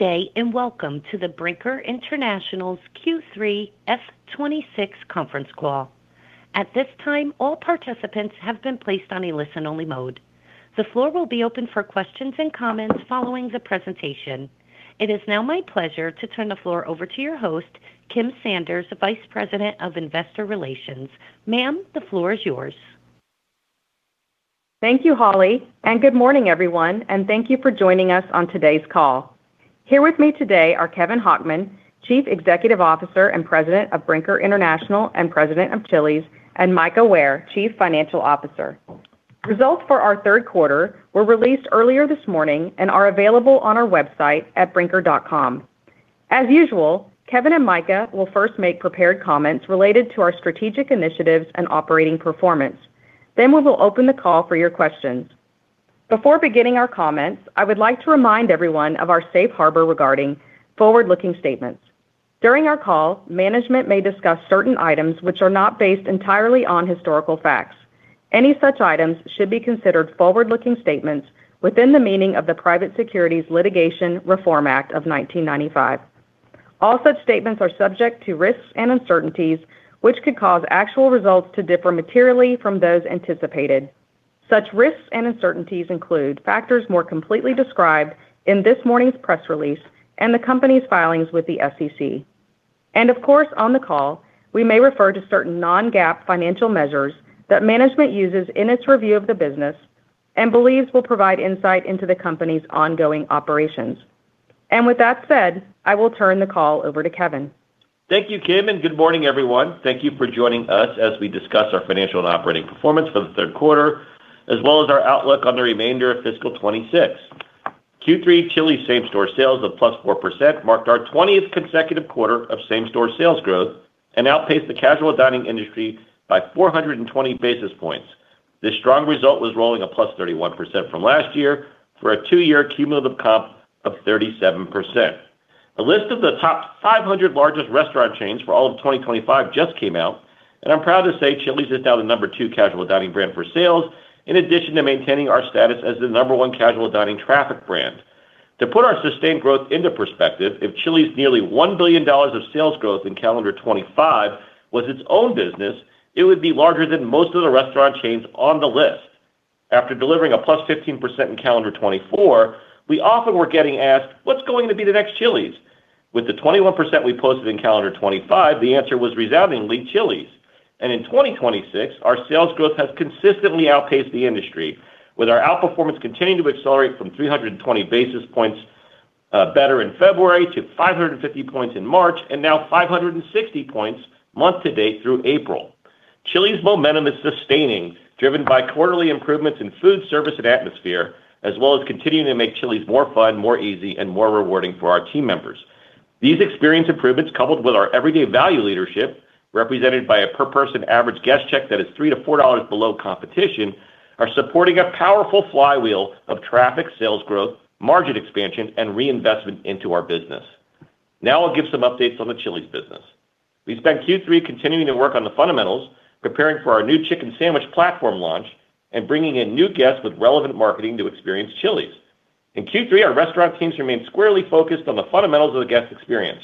Good day, and welcome to the Brinker International's Q3 F 2026 conference call. It is now my pleasure to turn the floor over to your host, Kim Sanders, Vice President of Investor Relations. Ma'am, the floor is yours. Thank you, Holly. Good morning, everyone, thank you for joining us on today's call. Here with me today are Kevin Hochman, Chief Executive Officer and President of Brinker International and President of Chili's, and Mika Ware, Chief Financial Officer. Results for our third quarter were released earlier this morning, are available on our website at brinker.com. As usual, Kevin and Mika will first make prepared comments related to our strategic initiatives and operating performance. We will open the call for your questions. Before beginning our comments, I would like to remind everyone of our safe harbor regarding forward-looking statements. During our call, management may discuss certain items which are not based entirely on historical facts. Any such items should be considered forward-looking statements within the meaning of the Private Securities Litigation Reform Act of 1995. All such statements are subject to risks and uncertainties, which could cause actual results to differ materially from those anticipated. Such risks and uncertainties include factors more completely described in this morning's press release and the company's filings with the SEC. Of course, on the call, we may refer to certain non-GAAP financial measures that management uses in its review of the business and believes will provide insight into the company's ongoing operations. With that said, I will turn the call over to Kevin. Thank you, Kim, and good morning, everyone. Thank you for joining us as we discuss our financial and operating performance for the third quarter, as well as our outlook on the remainder of fiscal 2026. Q3 Chili's same-store sales of +4% marked our twentieth consecutive quarter of same-store sales growth and outpaced the casual dining industry by 420 basis points. This strong result was rolling a +31% from last year for a two-year cumulative comp of 37%. A list of the top 500 largest restaurant chains for all of 2025 just came out, and I'm proud to say Chili's is now the number two casual dining brand for sales, in addition to maintaining our status as the number one casual dining traffic brand. To put our sustained growth into perspective, if Chili's nearly $1 billion of sales growth in calendar 2025 was its own business, it would be larger than most of the restaurant chains on the list. After delivering a +15% in calendar 2024, we often were getting asked, "What's going to be the next Chili's?" With the 21% we posted in calendar 2025, the answer was resoundingly Chili's. In 2026, our sales growth has consistently outpaced the industry, with our outperformance continuing to accelerate from 320 basis points better in February to 550 points in March and now 560 points month to date through April. Chili's momentum is sustaining, driven by quarterly improvements in food service and atmosphere, as well as continuing to make Chili's more fun, more easy, and more rewarding for our team members. These experience improvements, coupled with our everyday value leadership, represented by a per person average guest check that is $3-$4 below competition, are supporting a powerful flywheel of traffic sales growth, margin expansion, and reinvestment into our business. Now I'll give some updates on the Chili's business. We spent Q3 continuing to work on the fundamentals, preparing for our new chicken sandwich platform launch, and bringing in new guests with relevant marketing to experience Chili's. In Q3, our restaurant teams remained squarely focused on the fundamentals of the guest experience.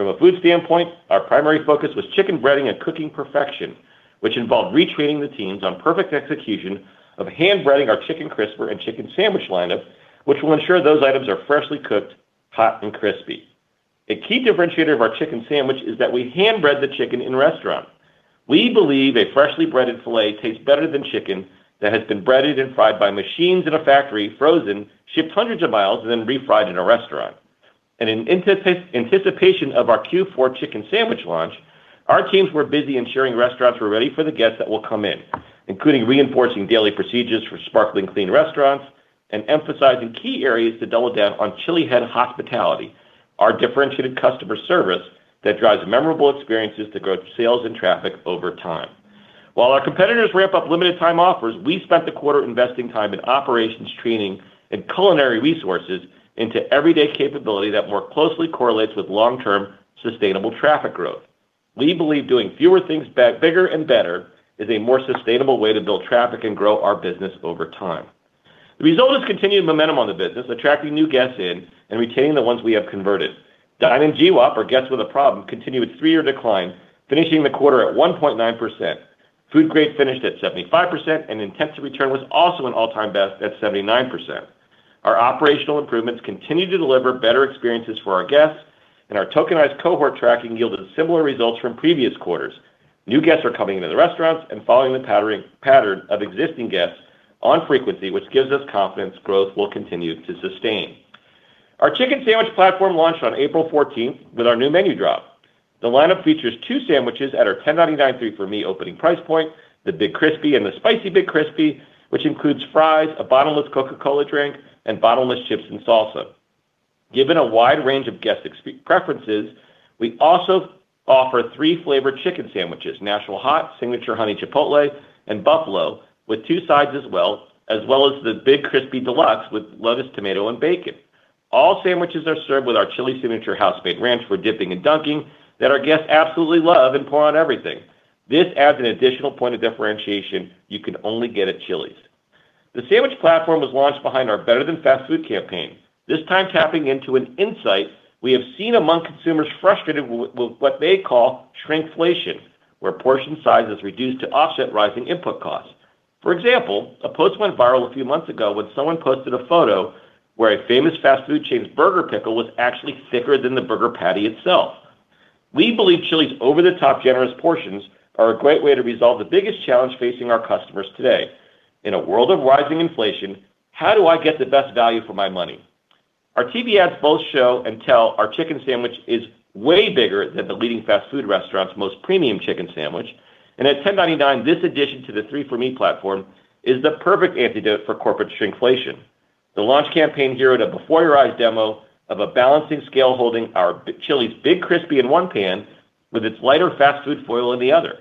From a food standpoint, our primary focus was chicken breading and cooking perfection, which involved retraining the teams on perfect execution of hand-breading our Chicken Crisper and chicken sandwich lineup, which will ensure those items are freshly cooked, hot, and crispy. A key differentiator of our chicken sandwich is that we hand-bread the chicken in-restaurant. We believe a freshly breaded filet tastes better than chicken that has been breaded and fried by machines in a factory, frozen, shipped hundreds of miles, and then refried in a restaurant. In anticipation of our Q4 chicken sandwich launch, our teams were busy ensuring restaurants were ready for the guests that will come in, including reinforcing daily procedures for sparkling clean restaurants and emphasizing key areas to double down on Chilihead hospitality, our differentiated customer service that drives memorable experiences to grow sales and traffic over time. While our competitors ramp up limited time offers, we spent the quarter investing time in operations, training, and culinary resources into everyday capability that more closely correlates with long-term sustainable traffic growth. We believe doing fewer things back bigger and better is a more sustainable way to build traffic and grow our business over time. The result is continued momentum on the business, attracting new guests in and retaining the ones we have converted. Dine and GWAP, or guests with a problem, continue its three-year decline, finishing the quarter at 1.9%. Food grade finished at 75%, and intent to return was also an all-time best at 79%. Our operational improvements continue to deliver better experiences for our guests, and our tokenized cohort tracking yielded similar results from previous quarters. New guests are coming into the restaurants and following the pattern of existing guests on frequency, which gives us confidence growth will continue to sustain. Our chicken sandwich platform launched on April 14th with our new menu drop. The lineup features two sandwiches at our $10.99 3 for Me opening price point, the Big Crispy and the Spicy Big Crispy, which includes fries, a bottomless Coca-Cola drink, and bottomless chips and salsa. Given a wide range of guest preferences, we also offer three flavored chicken sandwiches, Nashville Hot, Signature Honey-Chipotle, and Buffalo, with two sides as well as the Big Crispy Deluxe with lettuce, tomato, and bacon. All sandwiches are served with our Chili's signature house-made ranch for dipping and dunking that our guests absolutely love and pour on everything. This adds an additional point of differentiation you can only get at Chili's. The sandwich platform was launched behind our Better Than Fast Food campaign, this time tapping into an insight we have seen among consumers frustrated with what they call shrinkflation, where portion size is reduced to offset rising input costs. For example, a post went viral a few months ago when someone posted a photo where a famous fast food chain's burger pickle was actually thicker than the burger patty itself. We believe Chili's over-the-top generous portions are a great way to resolve the biggest challenge facing our customers today. In a world of rising inflation, how do I get the best value for my money? Our TV ads both show and tell our chicken sandwich is way bigger than the leading fast food restaurant's most premium chicken sandwich. At $10.99, this addition to the 3 for Me platform is the perfect antidote for corporate shrinkflation. The launch campaign geared a before your eyes demo of a balancing scale holding our Chili's Big Crispy in one pan with its lighter fast food foil in the other.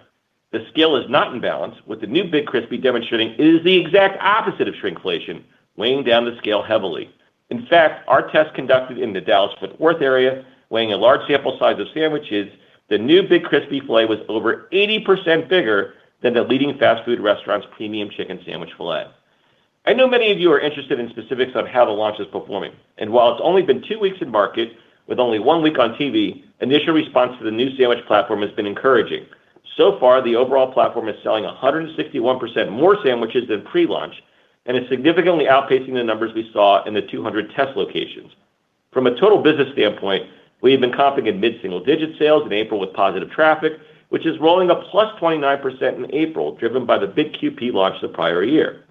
The scale is not in balance, with the new Big Crispy demonstrating it is the exact opposite of shrinkflation, weighing down the scale heavily. Our test conducted in the Dallas-Fort Worth area, weighing a large sample size of sandwiches, the new Big Crispy filet was over 80% bigger than the leading fast food restaurant's premium chicken sandwich filet. I know many of you are interested in specifics on how the launch is performing, and while it's only been two weeks in market with only one week on TV, initial response to the new sandwich platform has been encouraging. So far, the overall platform is selling 161% more sandwiches than pre-launch, and is significantly outpacing the numbers we saw in the 200 test locations. From a total business standpoint, we have been comping in mid-single digit sales in April with positive traffic, which is rolling up +29% in April, driven by the Big QP launch the prior year.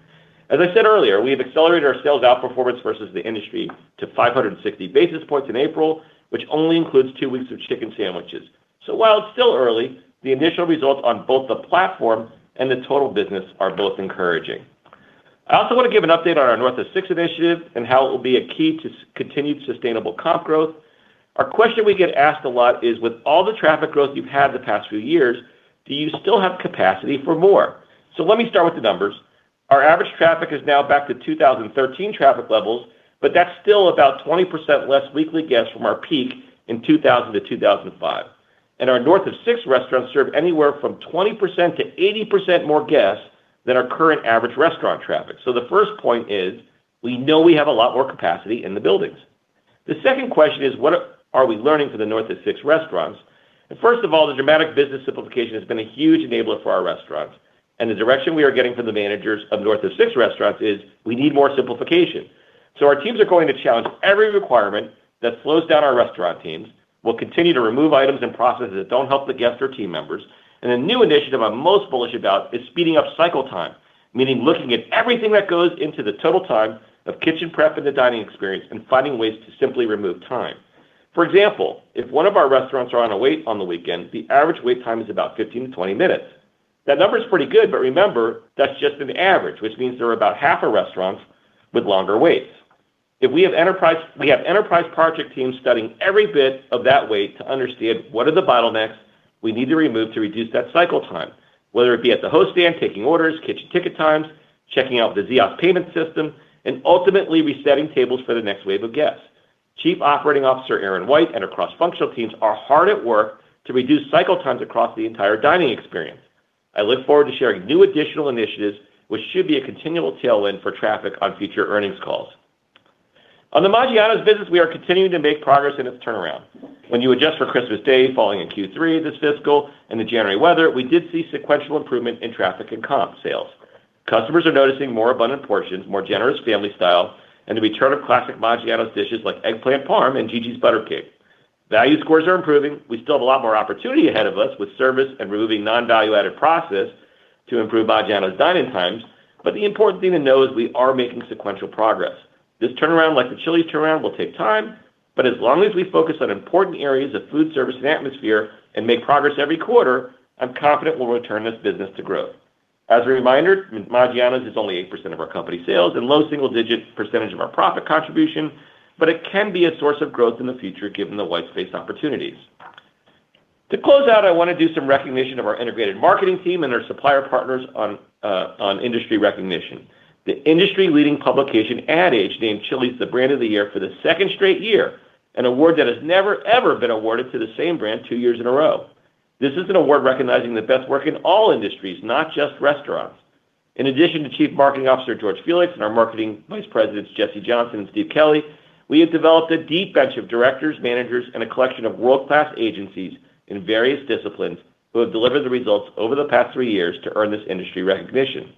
As I said earlier, we have accelerated our sales outperformance versus the industry to 560 basis points in April, which only includes two weeks of chicken sandwiches. While it's still early, the initial results on both the platform and the total business are both encouraging. I also want to give an update on our North of Six initiative and how it will be a key to continued sustainable comp growth. A question we get asked a lot is, "With all the traffic growth you've had the past few years, do you still have capacity for more?" Let me start with the numbers. Our average traffic is now back to 2013 traffic levels, but that's still about 20% less weekly guests from our peak in 2000 to 2005. Our North of Six restaurants serve anywhere from 20% to 80% more guests than our current average restaurant traffic. The first point is, we know we have a lot more capacity in the buildings. The second question is, what are we learning from the North of Six restaurants? First of all, the dramatic business simplification has been a huge enabler for our restaurants, and the direction we are getting from the managers of North of Six restaurants is, we need more simplification. Our teams are going to challenge every requirement that slows down our restaurant teams. We'll continue to remove items and processes that don't help the guests or team members. A new initiative I'm most bullish about is speeding up cycle time, meaning looking at everything that goes into the total time of kitchen prep and the dining experience and finding ways to simply remove time. For example, if one of our restaurants are on a wait on the weekend, the average wait time is about 15 minutes-20 minutes. That number is pretty good, but remember, that's just an average, which means there are about half our restaurants with longer waits. We have enterprise project teams studying every bit of that wait to understand what are the bottlenecks we need to remove to reduce that cycle time, whether it be at the host stand, taking orders, kitchen ticket times, checking out the Ziosk payment system, and ultimately resetting tables for the next wave of guests. Chief Operating Officer Aaron White and our cross-functional teams are hard at work to reduce cycle times across the entire dining experience. I look forward to sharing new additional initiatives, which should be a continual tailwind for traffic on future earnings calls. On the Maggiano's business, we are continuing to make progress in its turnaround. When you adjust for Christmas Day falling in Q3 this fiscal and the January weather, we did see sequential improvement in traffic and comp sales. Customers are noticing more abundant portions, more generous family style, and the return of classic Maggiano's dishes like eggplant parm and Gigi's Butter Cake. Value scores are improving. We still have a lot more opportunity ahead of us with service and removing non-value-added process to improve Maggiano's dining times. The important thing to know is we are making sequential progress. This turnaround, like the Chili's turnaround, will take time, but as long as we focus on important areas of food service and atmosphere and make progress every quarter, I'm confident we'll return this business to growth. As a reminder, Maggiano's is only 8% of our company sales and low single-digit percentage of our profit contribution. It can be a source of growth in the future given the white space opportunities. To close out, I want to do some recognition of our integrated marketing team and our supplier partners on industry recognition. The industry leading publication Ad Age named Chili's the brand of the year for the second straight year, an award that has never, ever been awarded to the same brand two years in a row. This is an award recognizing the best work in all industries, not just restaurants. In addition to Chief Marketing Officer George Felix and our marketing vice presidents Jesse Johnson and Steve Kelly, we have developed a deep bench of directors, managers, and a collection of world-class agencies in various disciplines who have delivered the results over the past three years to earn this industry recognition.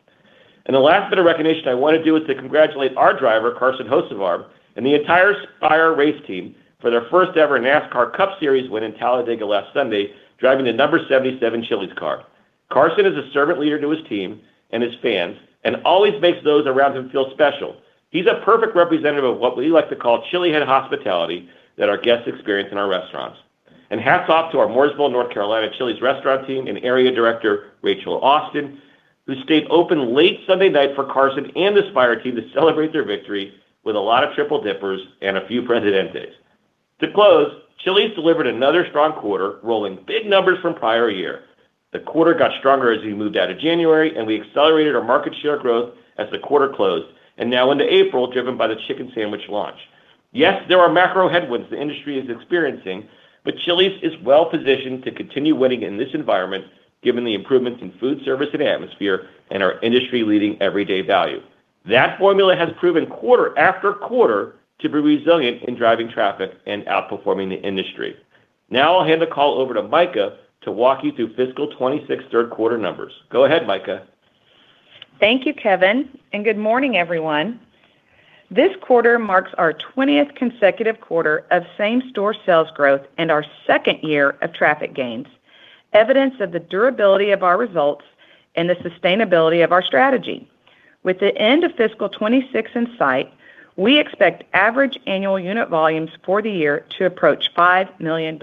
The last bit of recognition I want to do is to congratulate our driver, Carson Hocevar, and the entire Spire race team for their first ever NASCAR Cup Series win in Talladega last Sunday, driving the number 77 Chili's car. Carson is a servant leader to his team and his fans and always makes those around him feel special. He's a perfect representative of what we like to call Chilihead hospitality that our guests experience in our restaurants. Hats off to our Mooresville, North Carolina, Chili's restaurant team and area director, Rachel Austin, who stayed open late Sunday night for Carson and the Spire team to celebrate their victory with a lot of Triple Dippers and a few presidentes. To close, Chili's delivered another strong quarter, rolling big numbers from prior year. The quarter got stronger as we moved out of January, and we accelerated our market share growth as the quarter closed, and now into April, driven by the chicken sandwich launch. Yes, there are macro headwinds the industry is experiencing, but Chili's is well positioned to continue winning in this environment given the improvements in food service and atmosphere and our industry-leading everyday value. That formula has proven quarter after quarter to be resilient in driving traffic and outperforming the industry. Now I'll hand the call over to Mika to walk you through fiscal 2026 third quarter numbers. Go ahead, Mika. Thank you, Kevin, and good morning, everyone. This quarter marks our twentieth consecutive quarter of same-store sales growth and our second year of traffic gains, evidence of the durability of our results and the sustainability of our strategy. With the end of fiscal 2026 in sight, we expect average annual unit volumes for the year to approach $5 million.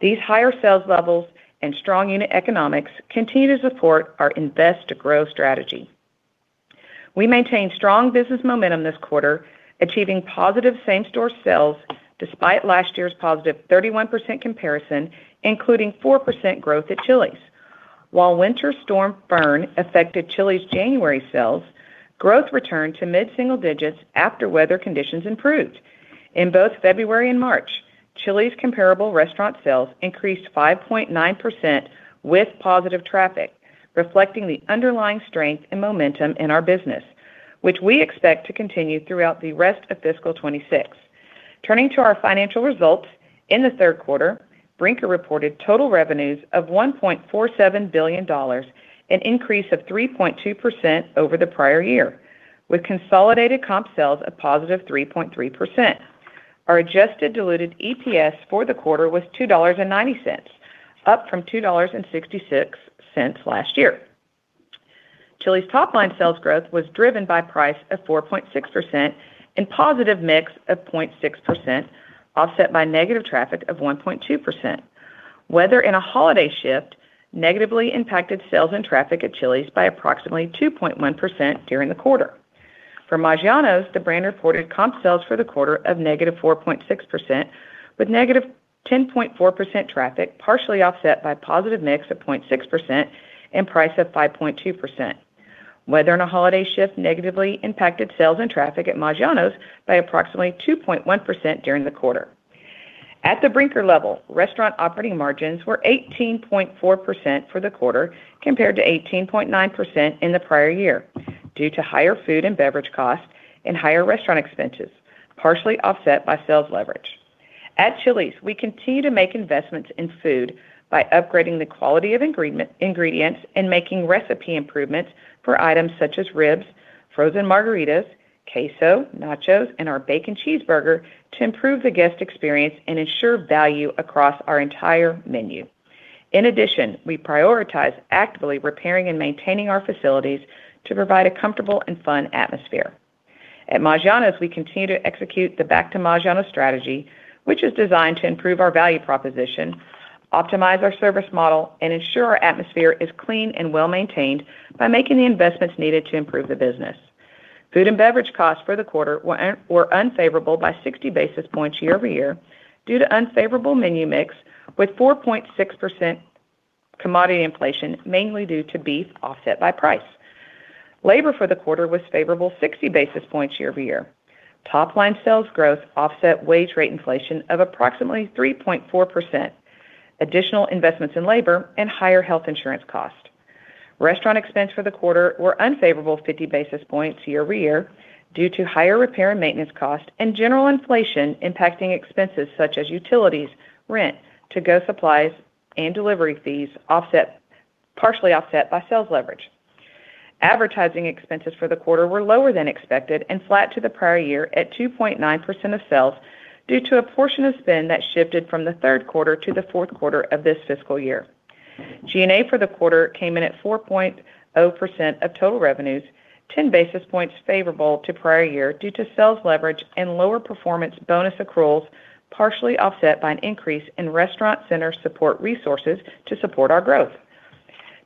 These higher sales levels and strong unit economics continue to support our invest to grow strategy. We maintained strong business momentum this quarter, achieving positive same-store sales despite last year's positive 31% comparison, including 4% growth at Chili's. While Winter Storm Blair affected Chili's January sales, growth returned to mid-single digits after weather conditions improved. In both February and March, Chili's comparable restaurant sales increased 5.9% with positive traffic, reflecting the underlying strength and momentum in our business, which we expect to continue throughout the rest of fiscal 2026. Turning to our financial results, in the third quarter, Brinker reported total revenues of $1.47 billion, an increase of 3.2% over the prior year, with consolidated comp sales of positive 3.3%. Our adjusted diluted EPS for the quarter was $2.90, up from $2.66 last year. Chili's top-line sales growth was driven by price of 4.6% and positive mix of 0.6%, offset by negative traffic of 1.2%. Weather and a holiday shift negatively impacted sales and traffic at Chili's by approximately 2.1% during the quarter. For Maggiano's, the brand reported comp sales for the quarter of -4.6%, with -10.4% traffic, partially offset by positive mix of 0.6% and price of 5.2%. Weather and a holiday shift negatively impacted sales and traffic at Maggiano's by approximately 2.1% during the quarter. At the Brinker level, restaurant operating margins were 18.4% for the quarter compared to 18.9% in the prior year due to higher food and beverage costs and higher restaurant expenses, partially offset by sales leverage. At Chili's, we continue to make investments in food by upgrading the quality of ingredients and making recipe improvements for items such as ribs, frozen margaritas, queso, nachos, and our bacon cheeseburger to improve the guest experience and ensure value across our entire menu. In addition, we prioritize actively repairing and maintaining our facilities to provide a comfortable and fun atmosphere. At Maggiano's, we continue to execute the Back to Maggiano's strategy, which is designed to improve our value proposition, optimize our service model, and ensure our atmosphere is clean and well-maintained by making the investments needed to improve the business. Food and beverage costs for the quarter were unfavorable by 60 basis points year-over-year due to unfavorable menu mix, with 4.6% commodity inflation, mainly due to beef offset by price. Labor for the quarter was favorable 60 basis points year-over-year. Top-line sales growth offset wage rate inflation of approximately 3.4%, additional investments in labor, and higher health insurance costs. Restaurant expense for the quarter were unfavorable 50 basis points year-over-year due to higher repair and maintenance costs and general inflation impacting expenses such as utilities, rent, to-go supplies, and delivery fees offset, partially offset by sales leverage. Advertising expenses for the quarter were lower than expected and flat to the prior year at 2.9% of sales due to a portion of spend that shifted from the third quarter to the fourth quarter of this fiscal year. G&A for the quarter came in at 4.0% of total revenues, 10 basis points favorable to prior year due to sales leverage and lower performance bonus accruals, partially offset by an increase in restaurant center support resources to support our growth.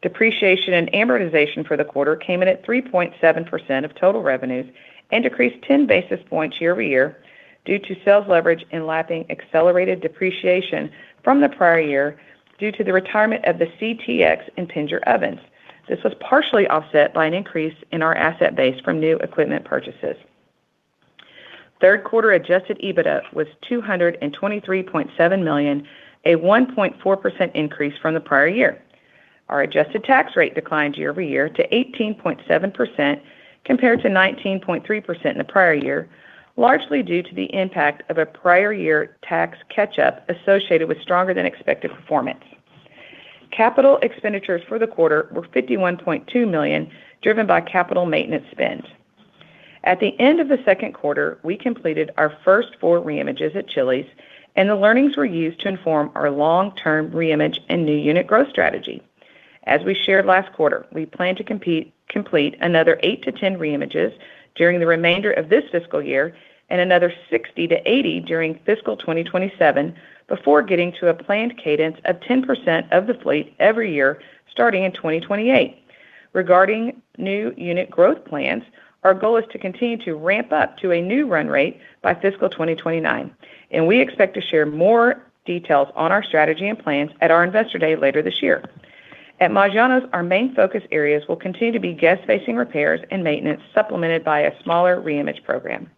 Depreciation and amortization for the quarter came in at 3.7% of total revenues and decreased 10 basis points year-over-year due to sales leverage and lapping accelerated depreciation from the prior year due to the retirement of the CTX and Impinger ovens. This was partially offset by an increase in our asset base from new equipment purchases. Third quarter adjusted EBITDA was $223.7 million, a 1.4% increase from the prior year. Our adjusted tax rate declined year-over-year to 18.7% compared to 19.3% in the prior year, largely due to the impact of a prior year tax catch-up associated with stronger than expected performance. Capital expenditures for the quarter were $51.2 million, driven by capital maintenance spend. At the end of the second quarter, we completed our first four re-images at Chili's, and the learnings were used to inform our long-term re-image and new unit growth strategy. As we shared last quarter, we plan to complete another eight to 10 re-images during the remainder of this fiscal year and another 60-80 during fiscal 2027 before getting to a planned cadence of 10% of the fleet every year starting in 2028. Regarding new unit growth plans, our goal is to continue to ramp up to a new run rate by fiscal 2029, and we expect to share more details on our strategy and plans at our Investor Day later this year. At Maggiano's, our main focus areas will continue to be guest-facing repairs and maintenance, supplemented by a smaller reimage program.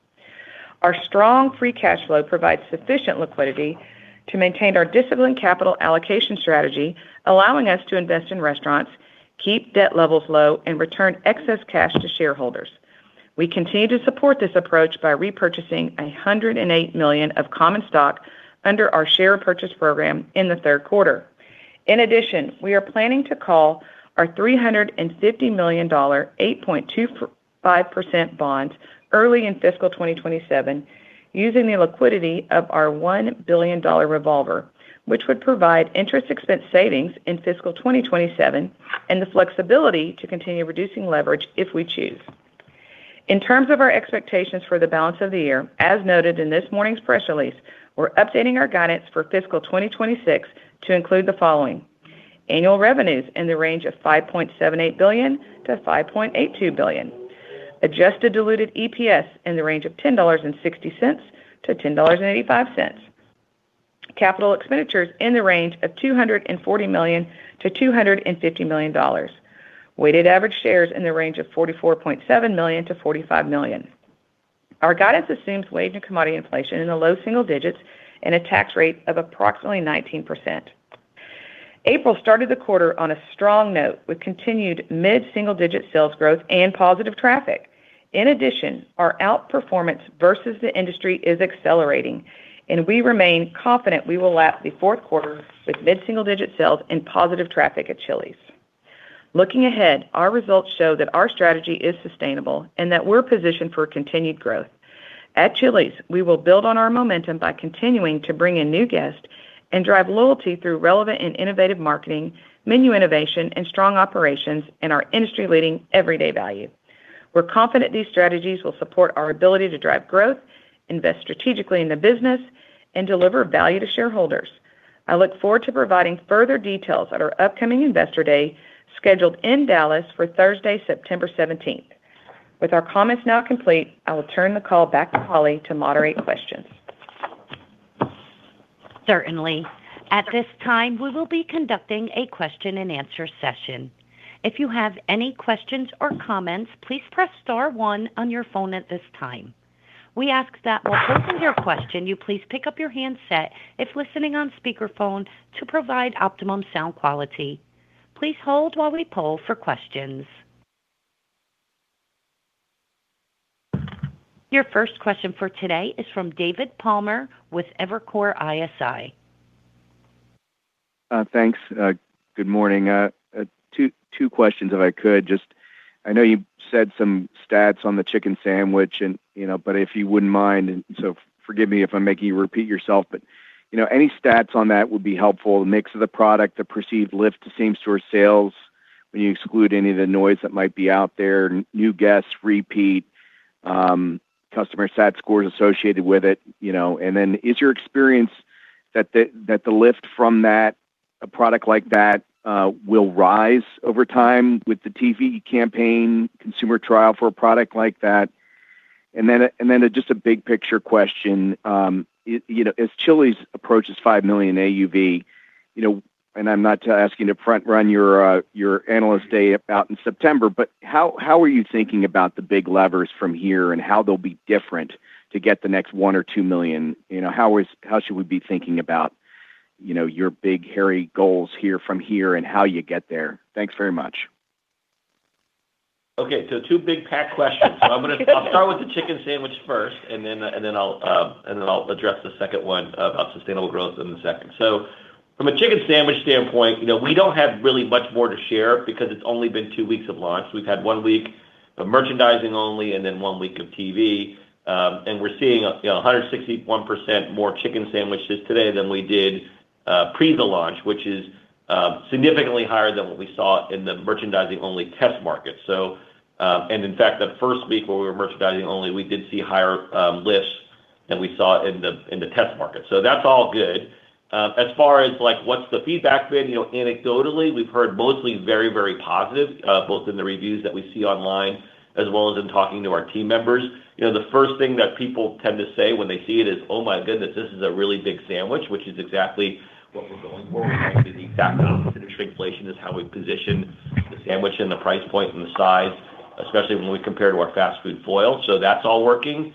Our strong free cash flow provides sufficient liquidity to maintain our disciplined capital allocation strategy, allowing us to invest in restaurants, keep debt levels low, and return excess cash to shareholders. We continue to support this approach by repurchasing $108 million of common stock under our share purchase program in the third quarter. In addition, we are planning to call our $350 million, 8.25% bonds early in fiscal 2027 using the liquidity of our $1 billion revolver, which would provide interest expense savings in fiscal 2027 and the flexibility to continue reducing leverage if we choose. In terms of our expectations for the balance of the year, as noted in this morning's press release, we're updating our guidance for fiscal 2026 to include the following: Annual revenues in the range of $5.78 billion-$5.82 billion. Adjusted diluted EPS in the range of $10.60-$10.85. Capital expenditures in the range of $240 million-$250 million. Weighted average shares in the range of 44.7 million-45 million. Our guidance assumes wage and commodity inflation in the low single digits and a tax rate of approximately 19%. April started the quarter on a strong note with continued mid-single-digit sales growth and positive traffic. In addition, our outperformance versus the industry is accelerating, and we remain confident we will lap the fourth quarter with mid-single-digit sales and positive traffic at Chili's. Looking ahead, our results show that our strategy is sustainable and that we're positioned for continued growth. At Chili's, we will build on our momentum by continuing to bring in new guests and drive loyalty through relevant and innovative marketing, menu innovation, and strong operations in our industry-leading everyday value. We're confident these strategies will support our ability to drive growth, invest strategically in the business, and deliver value to shareholders. I look forward to providing further details at our upcoming Investor Day, scheduled in Dallas for Thursday, September 17th. With our comments now complete, I will turn the call back to Holly to moderate questions. Certainly. At this time we will be conducting a question and answer session. If you have any questions or comments, please press star one on your phone at this time. We ask that you please pick up your handset. If you are listening through your speakerphone to provide optimum sound quality. Please hold while we pull for questions. Your first question for today is from David Palmer with Evercore ISI. Thanks. Good morning. Two questions, if I could. I know you said some stats on the chicken sandwich and, you know. If you wouldn't mind, forgive me if I'm making you repeat yourself, but, you know, any stats on that would be helpful. The mix of the product, the perceived lift to same store sales when you exclude any of the noise that might be out there, new guests, repeat, customer stat scores associated with it, you know? Then is your experience that the lift from that, a product like that, will rise over time with the TV campaign consumer trial for a product like that? Then just a big picture question. You know, as Chili's approaches $5 million AUV, you know, and I'm not asking to front run your analyst day out in September, but how are you thinking about the big levers from here and how they'll be different to get the next $1 million or $2 million? You know, how should we be thinking about, you know, your big, hairy goals here from here and how you get there? Thanks very much. Two big pack questions. I'll start with the chicken sandwich first, and then I'll address the second one about sustainable growth in a second. From a chicken sandwich standpoint, you know, we don't have really much more to share because it's only been two weeks of launch. We've had one week of merchandising only and then one week of TV. We're seeing a, you know, 161% more chicken sandwiches today than we did pre the launch, which is significantly higher than what we saw in the merchandising-only test market. In fact, that first week where we were merchandising only, we did see higher lifts than we saw in the test market. That's all good. As far as, like, what's the feedback been, you know, anecdotally, we've heard mostly very, very positive, both in the reviews that we see online as well as in talking to our team members. You know, the first thing that people tend to say when they see it is, "Oh my goodness, this is a really big sandwich," which is exactly what we're going for. We went through the fact patterns with industry inflation is how we position the sandwich and the price point and the size, especially when we compare to our fast food foe. That's all working.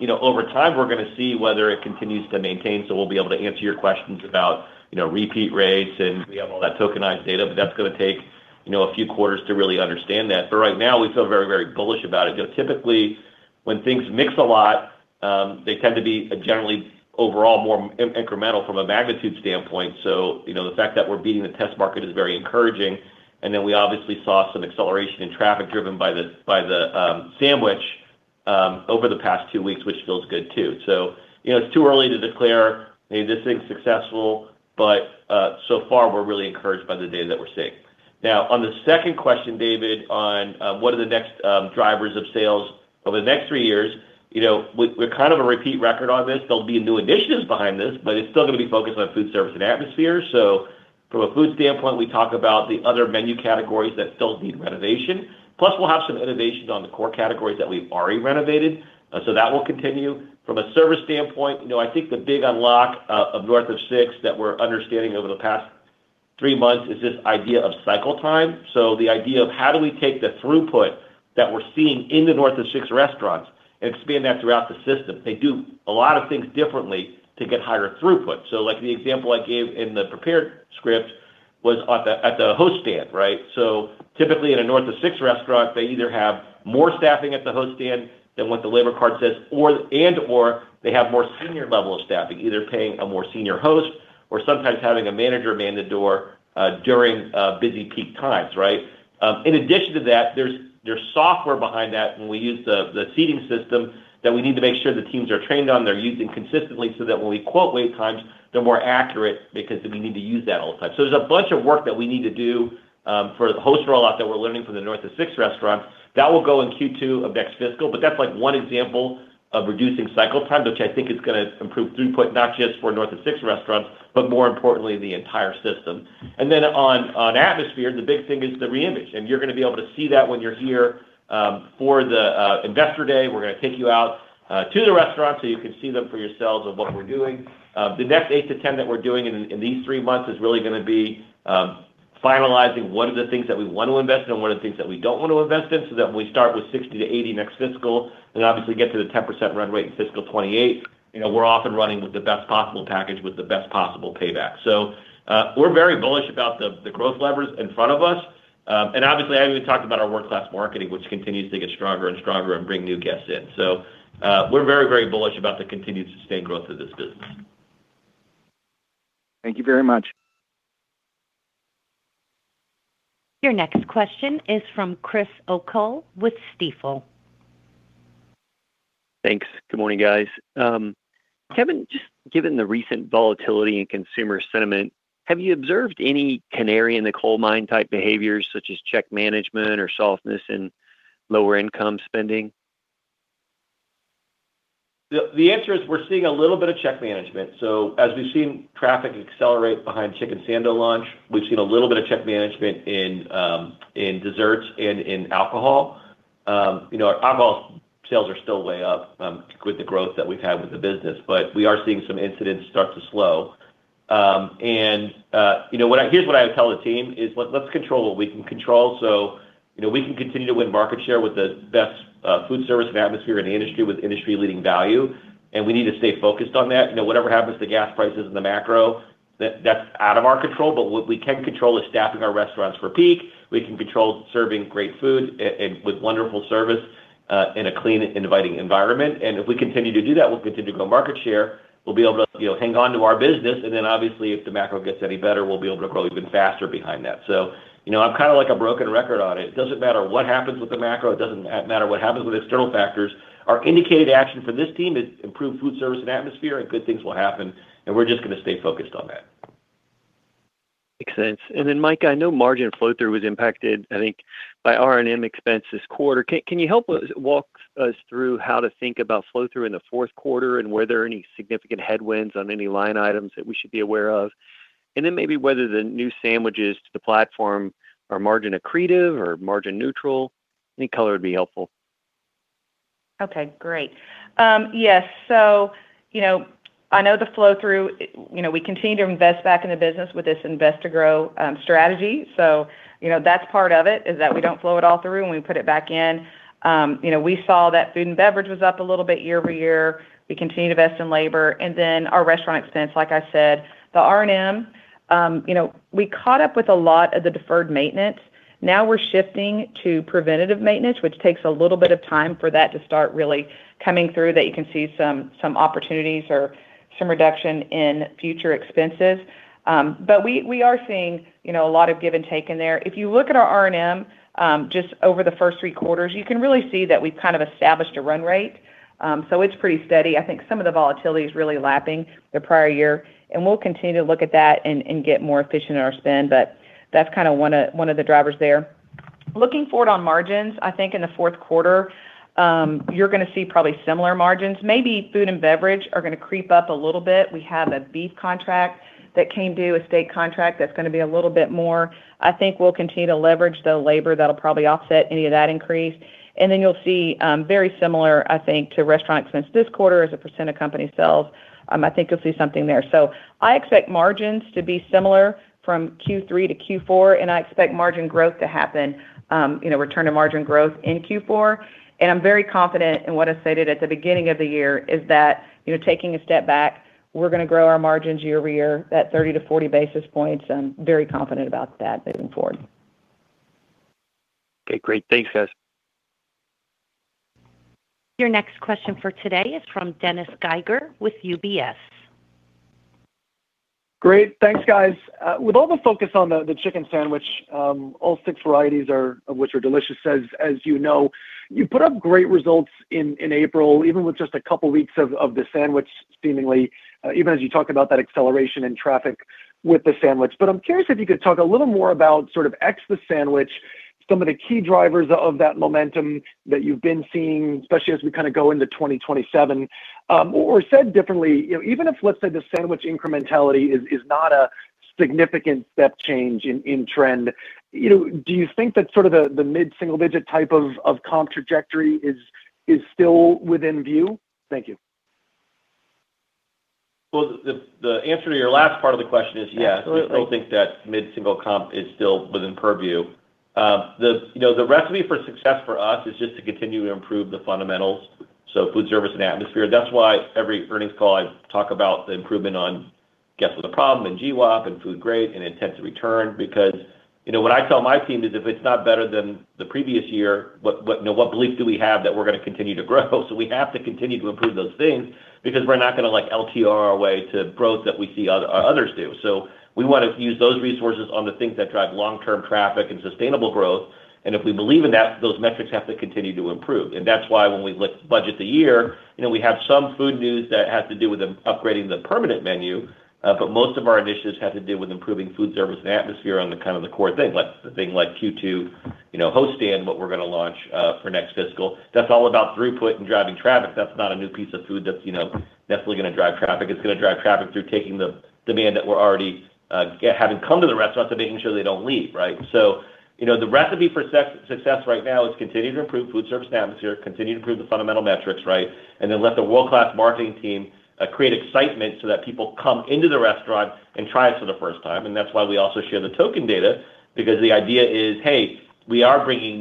You know, over time, we're gonna see whether it continues to maintain. We'll be able to answer your questions about, you know, repeat rates, and we have all that tokenized data, but that's gonna take, you know, a few quarters to really understand that. Right now, we feel very bullish about it. You know, typically, when things mix a lot, they tend to be generally overall more incremental from a magnitude standpoint. You know, the fact that we're beating the test market is very encouraging. Then we obviously saw some acceleration in traffic driven by the sandwich over the past two weeks, which feels good too. You know, it's too early to declare, "Hey, this thing's successful." So far, we're really encouraged by the data that we're seeing. On the second question, David, on what are the next drivers of sales over the next three years. You know, we're kind of a repeat record on this. There'll be new initiatives behind this, it's still gonna be focused on food service and atmosphere. From a food standpoint, we talk about the other menu categories that still need renovation. Plus, we'll have some innovations on the core categories that we've already renovated. That will continue. From a service standpoint, you know, I think the big unlock of North of Six that we're understanding over the past. Three months is this idea of cycle time. The idea of how do we take the throughput that we're seeing in the North of Six restaurants and expand that throughout the system? They do a lot of things differently to get higher throughput. Like the example I gave in the prepared script was at the host stand, right? Typically in a North of Six restaurant, they either have more staffing at the host stand than what the labor card says, and/or they have more senior level of staffing, either paying a more senior host or sometimes having a manager man the door during busy peak times, right? In addition to that, there's software behind that when we use the seating system that we need to make sure the teams are trained on. They're using consistently so that when we quote wait times, they're more accurate because we need to use that all the time. There's a bunch of work that we need to do for the host rollout that we're learning from the North of Six restaurants. That will go in Q2 of next fiscal, that's like one example of reducing cycle time, which I think is gonna improve throughput, not just for North of Six restaurants, but more importantly, the entire system. Then on atmosphere, the big thing is the reimage, and you're gonna be able to see that when you're here for the Investor Day. We're gonna take you out to the restaurant so you can see them for yourselves of what we're doing. The next eight to 10 that we're doing in these three months is really gonna be finalizing what are the things that we want to invest in and what are the things that we don't want to invest in, so that when we start with 60 to 80 next fiscal and obviously get to the 10% run rate in fiscal 2028, you know, we're off and running with the best possible package with the best possible payback. We're very bullish about the growth levers in front of us. Obviously, I haven't even talked about our world-class marketing, which continues to get stronger and stronger and bring new guests in. We're very, very bullish about the continued sustained growth of this business. Thank you very much. Your next question is from Chris O'Cull with Stifel. Thanks. Good morning, guys. Kevin, just given the recent volatility in consumer sentiment, have you observed any canary in the coal mine type behaviors such as check management or softness in lower income spending? The answer is we're seeing a little bit of check management. As we've seen traffic accelerate behind Chicken Sando launch, we've seen a little bit of check management in desserts and in alcohol. You know, our alcohol sales are still way up with the growth that we've had with the business, we are seeing some incidents start to slow. You know, here's what I would tell the team is let's control what we can control. You know, we can continue to win market share with the best food service and atmosphere in the industry with industry-leading value, we need to stay focused on that. You know, whatever happens to gas prices and the macro, that's out of our control. What we can control is staffing our restaurants for peak. We can control serving great food and with wonderful service, in a clean, inviting environment. If we continue to do that, we'll continue to grow market share. We'll be able to, you know, hang on to our business, and then obviously, if the macro gets any better, we'll be able to grow even faster behind that. You know, I'm kinda like a broken record on it. It doesn't matter what happens with the macro. It doesn't matter what happens with external factors. Our indicated action for this team is improve food service and atmosphere and good things will happen, and we're just gonna stay focused on that. Makes sense. Mika, I know margin flow-through was impacted, I think, by R&M expense this quarter. Can you help us walk us through how to think about flow-through in the fourth quarter? Were there any significant headwinds on any line items that we should be aware of? Maybe whether the new sandwiches to the platform are margin accretive or margin neutral, any color would be helpful. Okay, great. Yes. You know, I know the flow-through, you know, we continue to invest back in the business with this invest to grow strategy. You know, that's part of it, is that we don't flow it all through, and we put it back in. You know, we saw that food and beverage was up a little bit year-over-year. We continue to invest in labor. Then our restaurant expense, like I said, the R&M, you know, we caught up with a lot of the deferred maintenance. Now we're shifting to preventative maintenance, which takes a little bit of time for that to start really coming through, that you can see some opportunities or some reduction in future expenses. We, we are seeing, you know, a lot of give and take in there. If you look at our R&M, just over the first three quarters, you can really see that we've kind of established a run rate. It's pretty steady. I think some of the volatility is really lapping the prior year, and we'll continue to look at that and get more efficient in our spend. That's kind of one of, one of the drivers there. Looking forward on margins, I think in the fourth quarter, you're gonna see probably similar margins. Maybe food and beverage are gonna creep up a little bit. We have a beef contract that came due, a state contract that's gonna be a little bit more. I think we'll continue to leverage the labor. That'll probably offset any of that increase. Then you'll see very similar, I think, to restaurant expense this quarter as a percent of company sales. I think you'll see something there. I expect margins to be similar from Q3 to Q4, and I expect margin growth to happen, you know, return to margin growth in Q4. I'm very confident in what I stated at the beginning of the year, is that, you know, taking a step back, we're gonna grow our margins year-over-year, that 30 basis points-40 basis points. I'm very confident about that moving forward. Okay, great. Thanks, guys. Your next question for today is from Dennis Geiger with UBS. Great. Thanks, guys. With all the focus on the chicken sandwich, all six varieties of which are delicious, as you know, you put up great results in April, even with just a couple weeks of the sandwich seemingly, even as you talk about that acceleration in traffic with the sandwich. I'm curious if you could talk a little more about sort of ex the sandwich, some of the key drivers of that momentum that you've been seeing, especially as we kind of go into 2027. Said differently, you know, even if, let's say, the sandwich incrementality is not a significant step change in trend, you know, do you think that sort of the mid-single-digit type of comp trajectory is still within view? Thank you. Well, the answer to your last part of the question is yes. Absolutely. We still think that mid-single comp is still within purview. The, you know, the recipe for success for us is just to continue to improve the fundamentals, so food service and atmosphere. That's why every earnings call I talk about the improvement on Guest With A Problem and GWAP and food grade and intents to return because, you know, what I tell my team is if it's not better than the previous year, what belief do we have that we're going to continue to grow? We have to continue to improve those things because we're not going to like LTO our way to growth that we see others do. If we believe in that, those metrics have to continue to improve. That's why when we budget the year, you know, we have some food news that has to do with upgrading the permanent menu. Most of our initiatives have to do with improving food service and atmosphere on the kind of the core thing. Like the thing, Q2, you know, host stand, what we're gonna launch for next fiscal. That's all about throughput and driving traffic. That's not a new piece of food that's, you know, definitely gonna drive traffic. It's gonna drive traffic through taking the demand that we're already having come to the restaurant to making sure they don't leave, right? You know, the recipe for success right now is continue to improve food service and atmosphere, continue to improve the fundamental metrics, right? Let the world-class marketing team create excitement so that people come into the restaurant and try us for the first time. That's why we also share the token data because the idea is, hey, we are putting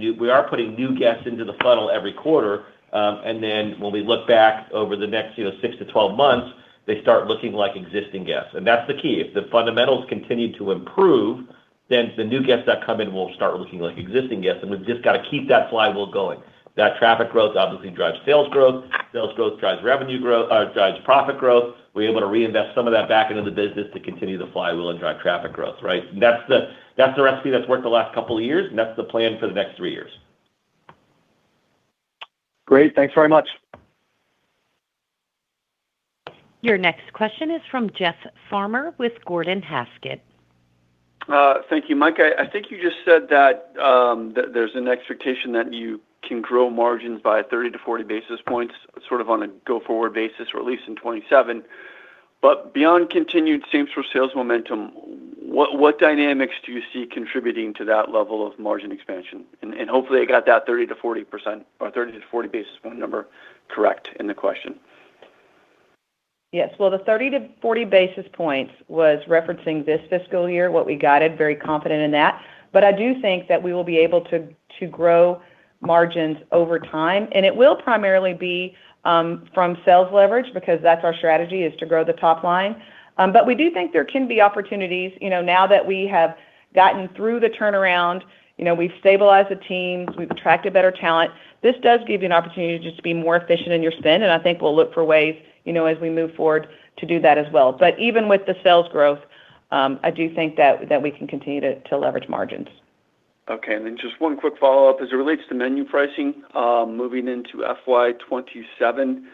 new guests into the funnel every quarter. When we look back over the next, you know, six to 12 months, they start looking like existing guests. That's the key. If the fundamentals continue to improve, the new guests that come in will start looking like existing guests, and we've just got to keep that flywheel going. That traffic growth obviously drives sales growth. Sales growth drives profit growth. We're able to reinvest some of that back into the business to continue the flywheel and drive traffic growth, right? That's the recipe that's worked the last couple of years, and that's the plan for the next three years. Great. Thanks very much. Your next question is from Jeff Farmer with Gordon Haskett. Thank you, Mika. I think you just said that there's an expectation that you can grow margins by 30 basis points-40 basis points, sort of on a go-forward basis, or at least in 2027. Beyond continued same-store sales momentum, what dynamics do you see contributing to that level of margin expansion? Hopefully I got that 30%-40% or 30 basis points-40 basis point number correct in the question. Yes. Well, the 30 basis points-40 basis points was referencing this fiscal year, what we guided, very confident in that. I do think that we will be able to grow margins over time, and it will primarily be from sales leverage because that's our strategy, is to grow the top line. We do think there can be opportunities, you know, now that we have gotten through the turnaround. You know, we've stabilized the teams, we've attracted better talent. This does give you an opportunity to just be more efficient in your spend, and I think we'll look for ways, you know, as we move forward to do that as well. Even with the sales growth, I do think that we can continue to leverage margins. Okay. Just one quick follow-up. As it relates to menu pricing, moving into FY 2027,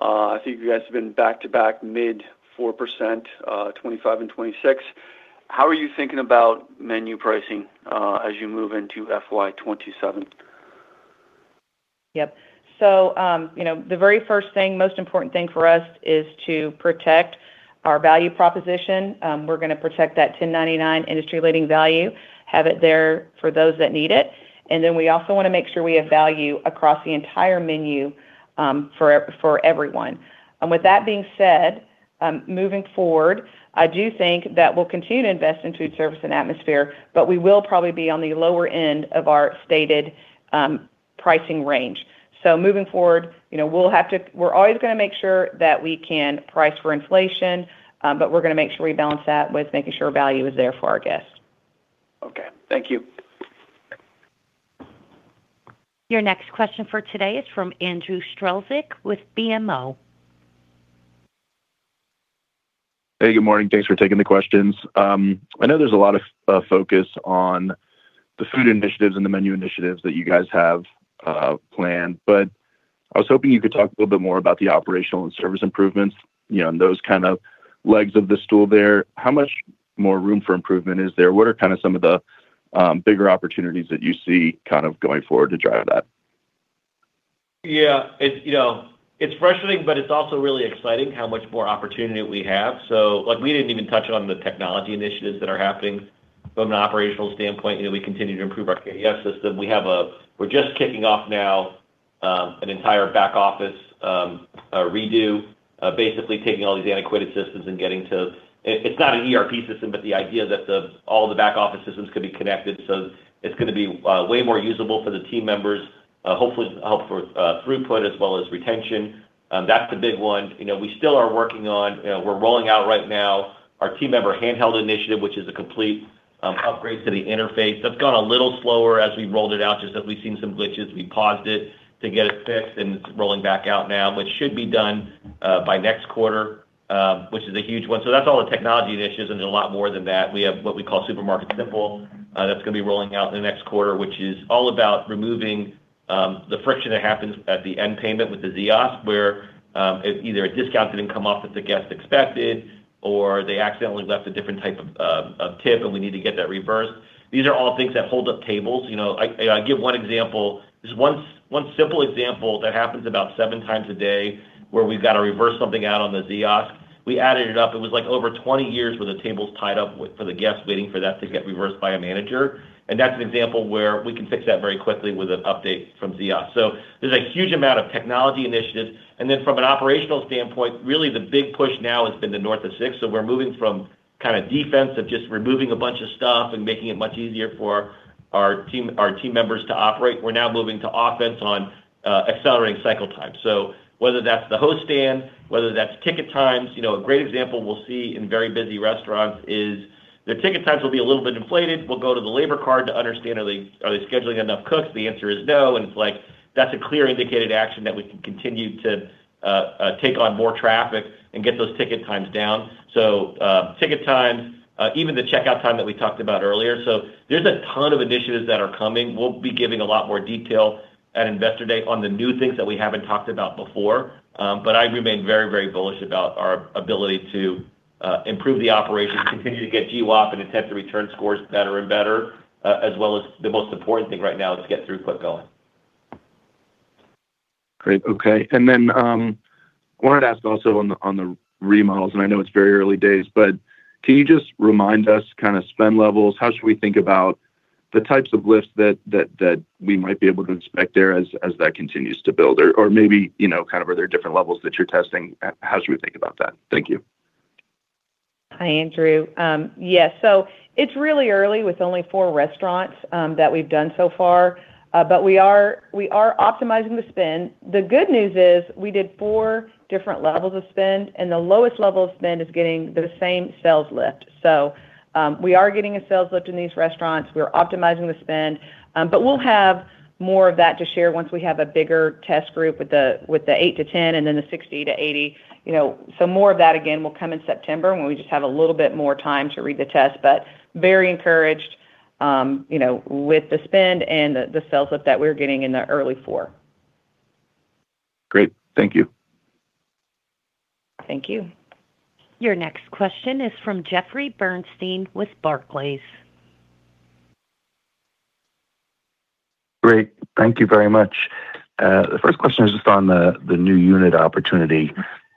I think you guys have been back-to-back mid 4%, 2025 and 2026. How are you thinking about menu pricing as you move into FY 2027? Yep. you know, the very first thing, most important thing for us is to protect our value proposition. We're gonna protect that $10.99 industry-leading value, have it there for those that need it. We also wanna make sure we have value across the entire menu, for everyone. With that being said, moving forward, I do think that we'll continue to invest in food service and atmosphere, but we will probably be on the lower end of our stated pricing range. Moving forward, you know, We're always gonna make sure that we can price for inflation, but we're gonna make sure we balance that with making sure value is there for our guests. Okay. Thank you. Your next question for today is from Andrew Strelzik with BMO. Hey, good morning. Thanks for taking the questions. I know there's a lot of focus on the food initiatives and the menu initiatives that you guys have planned, but I was hoping you could talk a little bit more about the operational and service improvements, you know, and those kind of legs of the stool there. How much more room for improvement is there? What are kinda some of the bigger opportunities that you see kind of going forward to drive that? It's, you know, it's frustrating, but it's also really exciting how much more opportunity we have. Like, we didn't even touch on the technology initiatives that are happening from an operational standpoint. You know, we continue to improve our KDS system. We're just kicking off now an entire back office redo, basically taking all these antiquated systems and getting to, it's not an ERP system, but the idea that all the back office systems could be connected. It's gonna be way more usable for the team members, hopefully help for throughput as well as retention. That's the big one. You know, we still are working on, we're rolling out right now our team member handheld initiative, which is a complete upgrade to the interface. That's gone a little slower as we rolled it out, just as we've seen some glitches. We paused it to get it fixed, and it's rolling back out now, which should be done by next quarter, which is a huge one. That's all the technology initiatives, and there's a lot more than that. We have what we call Supermarket Simple. That's gonna be rolling out in the next quarter, which is all about removing the friction that happens at the end payment with the Ziosk, where either a discount didn't come off that the guest expected or they accidentally left a different type of tip, and we need to get that reversed. These are all things that hold up tables, you know. I give one example. Just one simple example that happens about 7x a day where we've got to reverse something out on the Ziosk. We added it up, it was like over 20 years where the table's tied up for the guests waiting for that to get reversed by a manager. That's an example where we can fix that very quickly with an update from Ziosk. There's a huge amount of technology initiatives. From an operational standpoint, really the big push now has been the North of Six. We're moving from kind of defense of just removing a bunch of stuff and making it much easier for our team members to operate. We're now moving to offense on accelerating cycle time. Whether that's the host stand, whether that's ticket times. You know, a great example we'll see in very busy restaurants is their ticket times will be a little bit inflated. We'll go to the labor card to understand are they scheduling enough cooks? The answer is no. It's like, that's a clear indicated action that we can continue to take on more traffic and get those ticket times down. Ticket times, even the checkout time that we talked about earlier, there's a ton of initiatives that are coming. We'll be giving a lot more detail at Investor Day on the new things that we haven't talked about before. I remain very, very bullish about our ability to improve the operations, continue to get GWAP and intent to return scores better and better, as well as the most important thing right now is to get throughput going. Great. Okay. Then, wanted to ask also on the remodels, and I know it's very early days, but can you just remind us kind of spend levels? How should we think about the types of lifts that we might be able to expect there as that continues to build? Or maybe, you know, kind of are there different levels that you're testing? How should we think about that? Thank you. Hi, Andrew. Yes. It's really early with only four restaurants that we've done so far. We are optimizing the spend. The good news is we did four different levels of spend, and the lowest level of spend is getting the same sales lift. We are getting a sales lift in these restaurants. We are optimizing the spend. We'll have more of that to share once we have a bigger test group with the eight to 10 and then the 60-80. You know, more of that, again, will come in September when we just have a little bit more time to read the test. Very encouraged, you know, with the spend and the sales lift that we're getting in the early four. Great. Thank you. Thank you. Your next question is from Jeffrey Bernstein with Barclays. Great. Thank you very much. The first question is just on the new unit opportunity.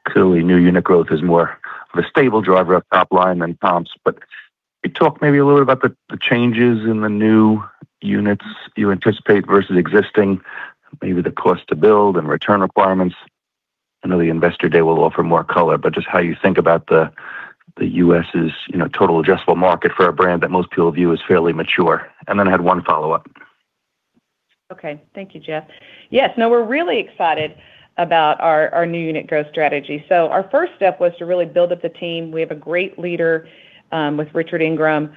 Clearly, new unit growth is more of a stable driver of top line than comps. Can you talk maybe a little about the changes in the new units you anticipate versus existing, maybe the cost to build and return requirements? I know the Investor Day will offer more color, just how you think about the U.S.'s, you know, total adjustable market for a brand that most people view as fairly mature. I had one follow-up. Okay. Thank you, Jeff. Yes. We're really excited about our new unit growth strategy. Our first step was to really build up the team. We have a great leader with Richard Ingram.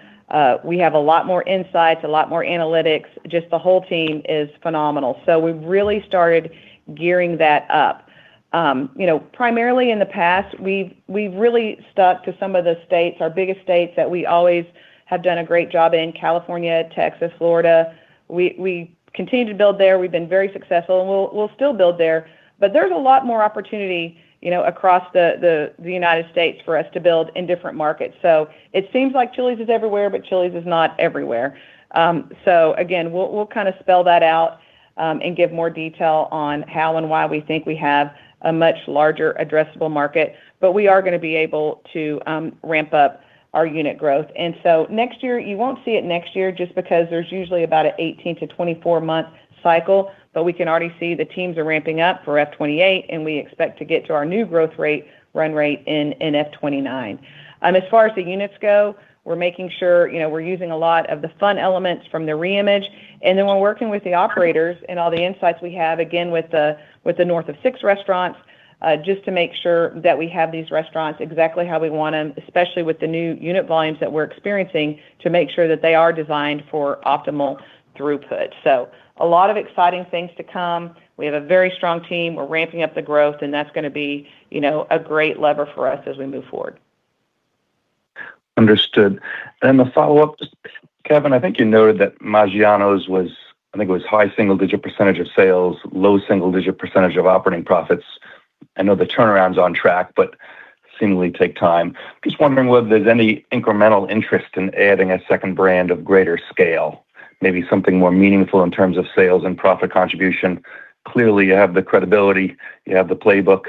We have a lot more insights, a lot more analytics. Just the whole team is phenomenal. We've really started gearing that up. You know, primarily in the past, we've really stuck to some of the states, our biggest states that we always have done a great job in, California, Texas, Florida. We continue to build there. We've been very successful, we'll still build there. There's a lot more opportunity, you know, across the United States for us to build in different markets. It seems like Chili's is everywhere, Chili's is not everywhere. Again, we'll kind of spell that out and give more detail on how and why we think we have a much larger addressable market. We are gonna be able to ramp up our unit growth. You won't see it next year just because there's usually about a 18 month-24-month cycle. We can already see the teams are ramping up for F 2028, and we expect to get to our new growth rate, run rate in F 2029. As far as the units go, we're making sure, you know, we're using a lot of the fun elements from the reimage. We're working with the operators and all the insights we have, again, with the North of Six restaurants, just to make sure that we have these restaurants exactly how we want them, especially with the new unit volumes that we're experiencing, to make sure that they are designed for optimal throughput. A lot of exciting things to come. We have a very strong team. We're ramping up the growth, and that's gonna be, you know, a great lever for us as we move forward. Understood. The follow-up, Kevin, I think you noted that Maggiano's was, I think it was high single-digit percent of sales, low single-digit percent of operating profits. I know the turnaround's on track, seemingly take time. Just wondering whether there's any incremental interest in adding a second brand of greater scale, maybe something more meaningful in terms of sales and profit contribution. Clearly, you have the credibility, you have the playbook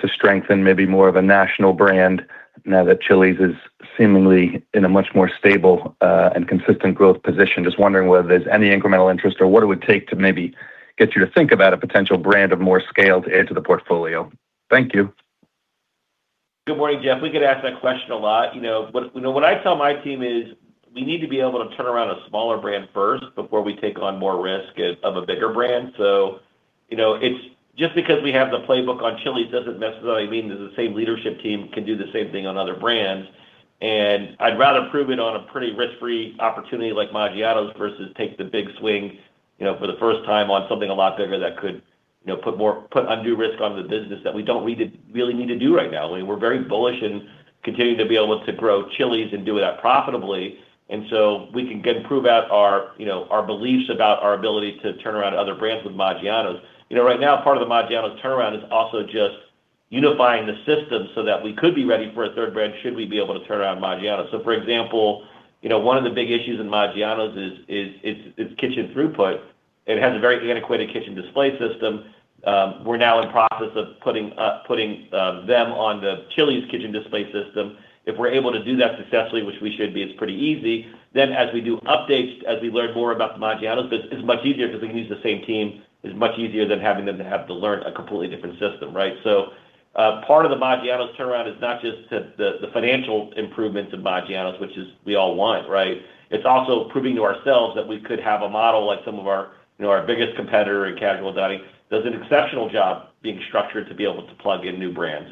to strengthen maybe more of a national brand now that Chili's is seemingly in a much more stable and consistent growth position. Just wondering whether there's any incremental interest or what it would take to maybe get you to think about a potential brand of more scale to add to the portfolio. Thank you. Good morning, Jeff. We get asked that question a lot. You know, what I tell my team is we need to be able to turn around a smaller brand first before we take on more risk of a bigger brand. You know, it's just because we have the playbook on Chili's doesn't necessarily mean that the same leadership team can do the same thing on other brands. I'd rather prove it on a pretty risk-free opportunity like Maggiano's versus take the big swing, you know, for the first time on something a lot bigger that could, you know, put undue risk on the business that we don't really need to do right now. We're very bullish in continuing to be able to grow Chili's and do that profitably. We can get and prove out our beliefs about our ability to turn around other brands with Maggiano's. Right now, part of the Maggiano's turnaround is also just unifying the system so that we could be ready for a third brand should we be able to turn around Maggiano's. For example, one of the big issues in Maggiano's is kitchen throughput. It has a very antiquated kitchen display system. We're now in process of putting them on the Chili's kitchen display system. If we're able to do that successfully, which we should be, it's pretty easy, then as we do updates, as we learn more about the Maggiano's, but it's much easier because we can use the same team. It's much easier than having them to have to learn a completely different system, right? Part of the Maggiano's turnaround is not just the financial improvements of Maggiano's, which is we all want, right? It's also proving to ourselves that we could have a model like some of our, you know, our biggest competitor in casual dining does an exceptional job being structured to be able to plug in new brands.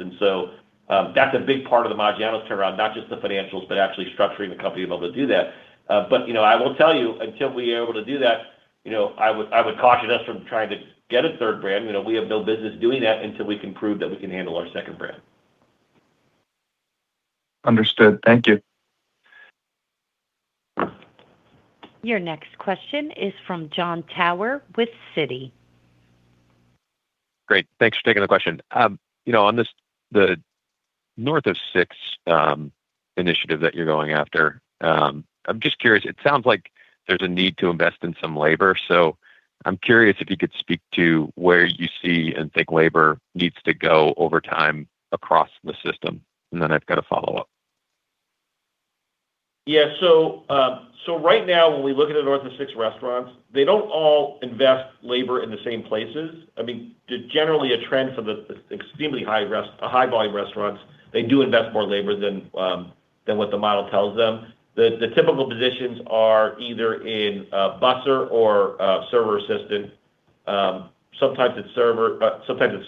That's a big part of the Maggiano's turnaround, not just the financials, but actually structuring the company to be able to do that. You know, I will tell you, until we are able to do that, you know, I would caution us from trying to get a third brand. You know, we have no business doing that until we can prove that we can handle our second brand. Understood. Thank you. Your next question is from Jon Tower with Citi. Great. Thanks for taking the question. You know, on this, the North of Six initiative that you're going after, I'm just curious. It sounds like there's a need to invest in some labor, I'm curious if you could speak to where you see and think labor needs to go over time across the system. I've got a follow-up. Right now, when we look at the North of Six restaurants, they don't all invest labor in the same places. I mean, generally a trend for the high volume restaurants, they do invest more labor than what the model tells them. The typical positions are either in busser or server assistant. Sometimes it's servers, sometimes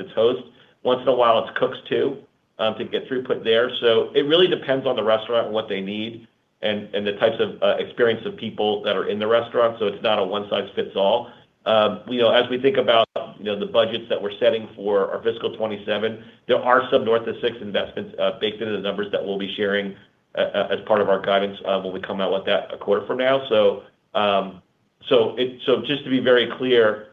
it's host. Once in a while, it's cooks too, to get throughput there. It really depends on the restaurant and what they need and the types of experience of people that are in the restaurant. It's not a one-size-fits-all. You know, as we think about, you know, the budgets that we're setting for our fiscal 2027, there are some North of Six investments baked into the numbers that we'll be sharing as part of our guidance when we come out with that a quarter from now. just to be very clear,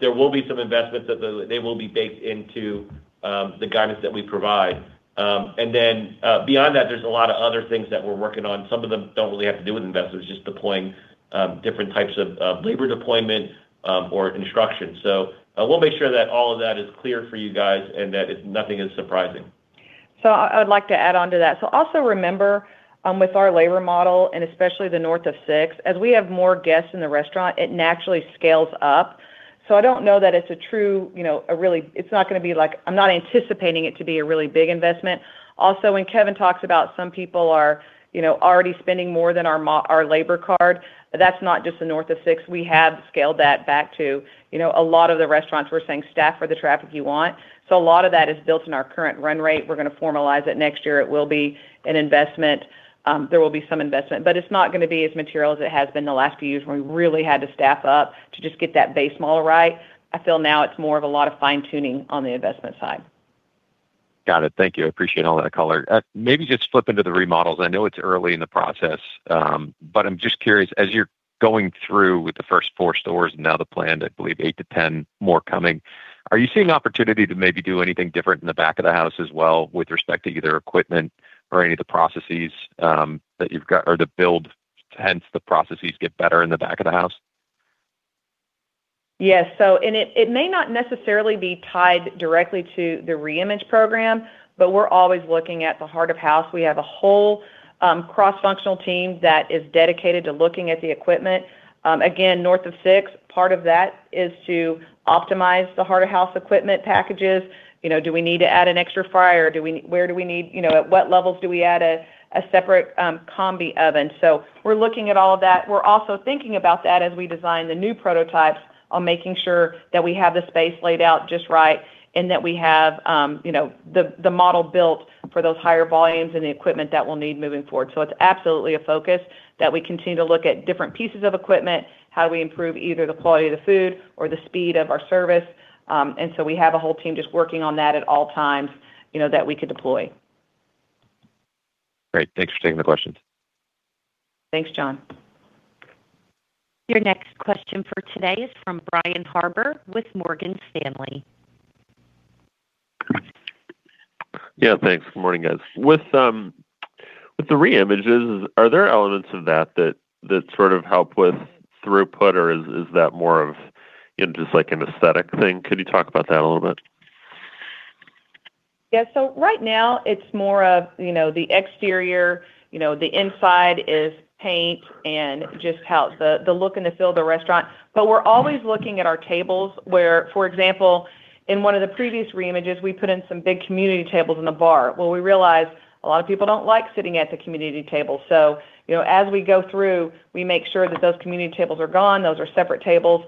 there will be some investments that they will be baked into the guidance that we provide. beyond that, there's a lot of other things that we're working on. Some of them don't really have to do with investors, just deploying different types of labor deployment or construction. we'll make sure that all of that is clear for you guys and that nothing is surprising. I'd like to add on to that. Also remember, with our labor model and especially the North of Six, as we have more guests in the restaurant, it naturally scales up. I don't know that it's a true, you know, It's not gonna be like I'm not anticipating it to be a really big investment. Also, when Kevin talks about some people are, you know, already spending more than our labor card, that's not just the North of Six. We have scaled that back to, you know, a lot of the restaurants were saying, "Staff for the traffic you want." A lot of that is built in our current run rate. We're gonna formalize it next year. It will be an investment. There will be some investment, but it's not gonna be as material as it has been the last few years when we really had to staff up to just get that base model right. I feel now it's more of a lot of fine-tuning on the investment side. Got it. Thank you. I appreciate all that color. Maybe just flip into the remodels. I know it's early in the process, but I'm just curious. As you're going through with the first four stores and now the plan to, I believe, eight to 10 more coming, are you seeing opportunity to maybe do anything different in the back of the house as well with respect to either equipment or any of the processes that you've got or the build, hence the processes get better in the back of the house? Yes. It may not necessarily be tied directly to the reimage program, but we're always looking at the Heart of House. We have a whole cross-functional team that is dedicated to looking at the equipment. Again, North of Six, part of that is to optimize the Heart of House equipment packages. You know, do we need to add an extra fryer? Where do we need? You know, at what levels do we add a separate combi oven? We're looking at all that. We're also thinking about that as we design the new prototypes on making sure that we have the space laid out just right and that we have, you know, the model built for those higher volumes and the equipment that we'll need moving forward. It's absolutely a focus that we continue to look at different pieces of equipment, how we improve either the quality of the food or the speed of our service. We have a whole team just working on that at all times, you know, that we could deploy. Great. Thanks for taking the questions. Thanks, Jon. Your next question for today is from Brian Harbour with Morgan Stanley. Yeah, thanks. Good morning, guys. With the reimages, are there elements of that that sort of help with throughput, or is that more of, you know, just like an aesthetic thing? Could you talk about that a little bit? Right now, it's more of, you know, the exterior. The inside is paint and just the look and the feel of the restaurant. We're always looking at our tables where, for example, in one of the previous reimages, we put in some big community tables in the bar. We realized a lot of people don't like sitting at the community table. As we go through, we make sure that those community tables are gone. Those are separate tables.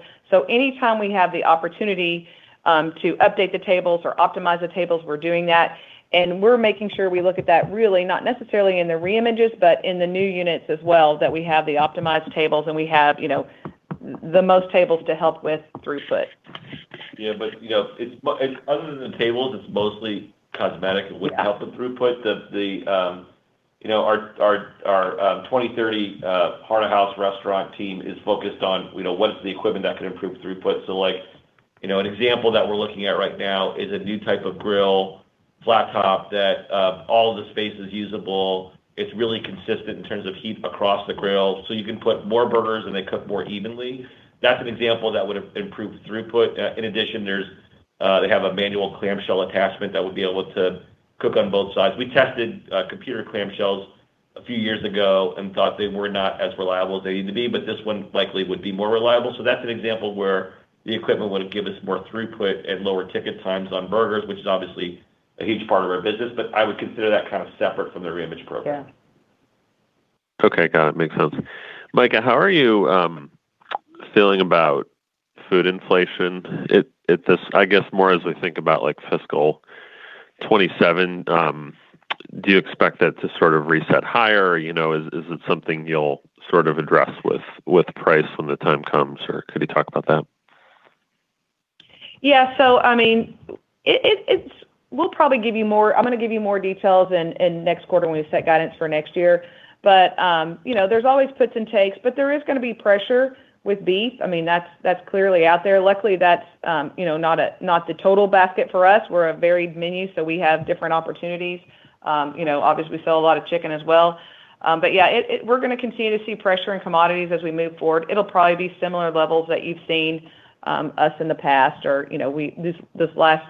Any time we have the opportunity to update the tables or optimize the tables, we're doing that. We're making sure we look at that really not necessarily in the reimages but in the new units as well, that we have the optimized tables, and we have, you know, the most tables to help with throughput. Yeah. You know, other than the tables, it's mostly cosmetic. Yeah... it would help the throughput. The, you know, our 2030 Heart of House restaurant team is focused on, you know, what's the equipment that can improve throughput. Like, you know, an example that we're looking at right now is a new type of grill. Flat top that, all the spaces usable. It's really consistent in terms of heat across the grill, so you can put more burgers and they cook more evenly. That's an example that would have improved throughput. In addition, they have a manual clamshell attachment that would be able to cook on both sides. We tested computer clamshells a few years ago and thought they were not as reliable as they need to be, but this one likely would be more reliable. That's an example where the equipment would give us more throughput and lower ticket times on burgers, which is obviously a huge part of our business. I would consider that kind of separate from the reimage program. Yeah. Okay. Got it. Makes sense. Mika, how are you feeling about food inflation? This I guess more as we think about like fiscal 2027, do you expect that to sort of reset higher? You know, is it something you'll sort of address with price when the time comes? Could you talk about that? Yeah. I mean, we'll probably give you more details in next quarter when we set guidance for next year. You know, there's always puts and takes, but there is gonna be pressure with beef. I mean, that's clearly out there. Luckily, that's, you know, not the total basket for us. We're a varied menu, we have different opportunities. You know, obviously we sell a lot of chicken as well. Yeah, we're gonna continue to see pressure in commodities as we move forward. It'll probably be similar levels that you've seen us in the past or, you know, this last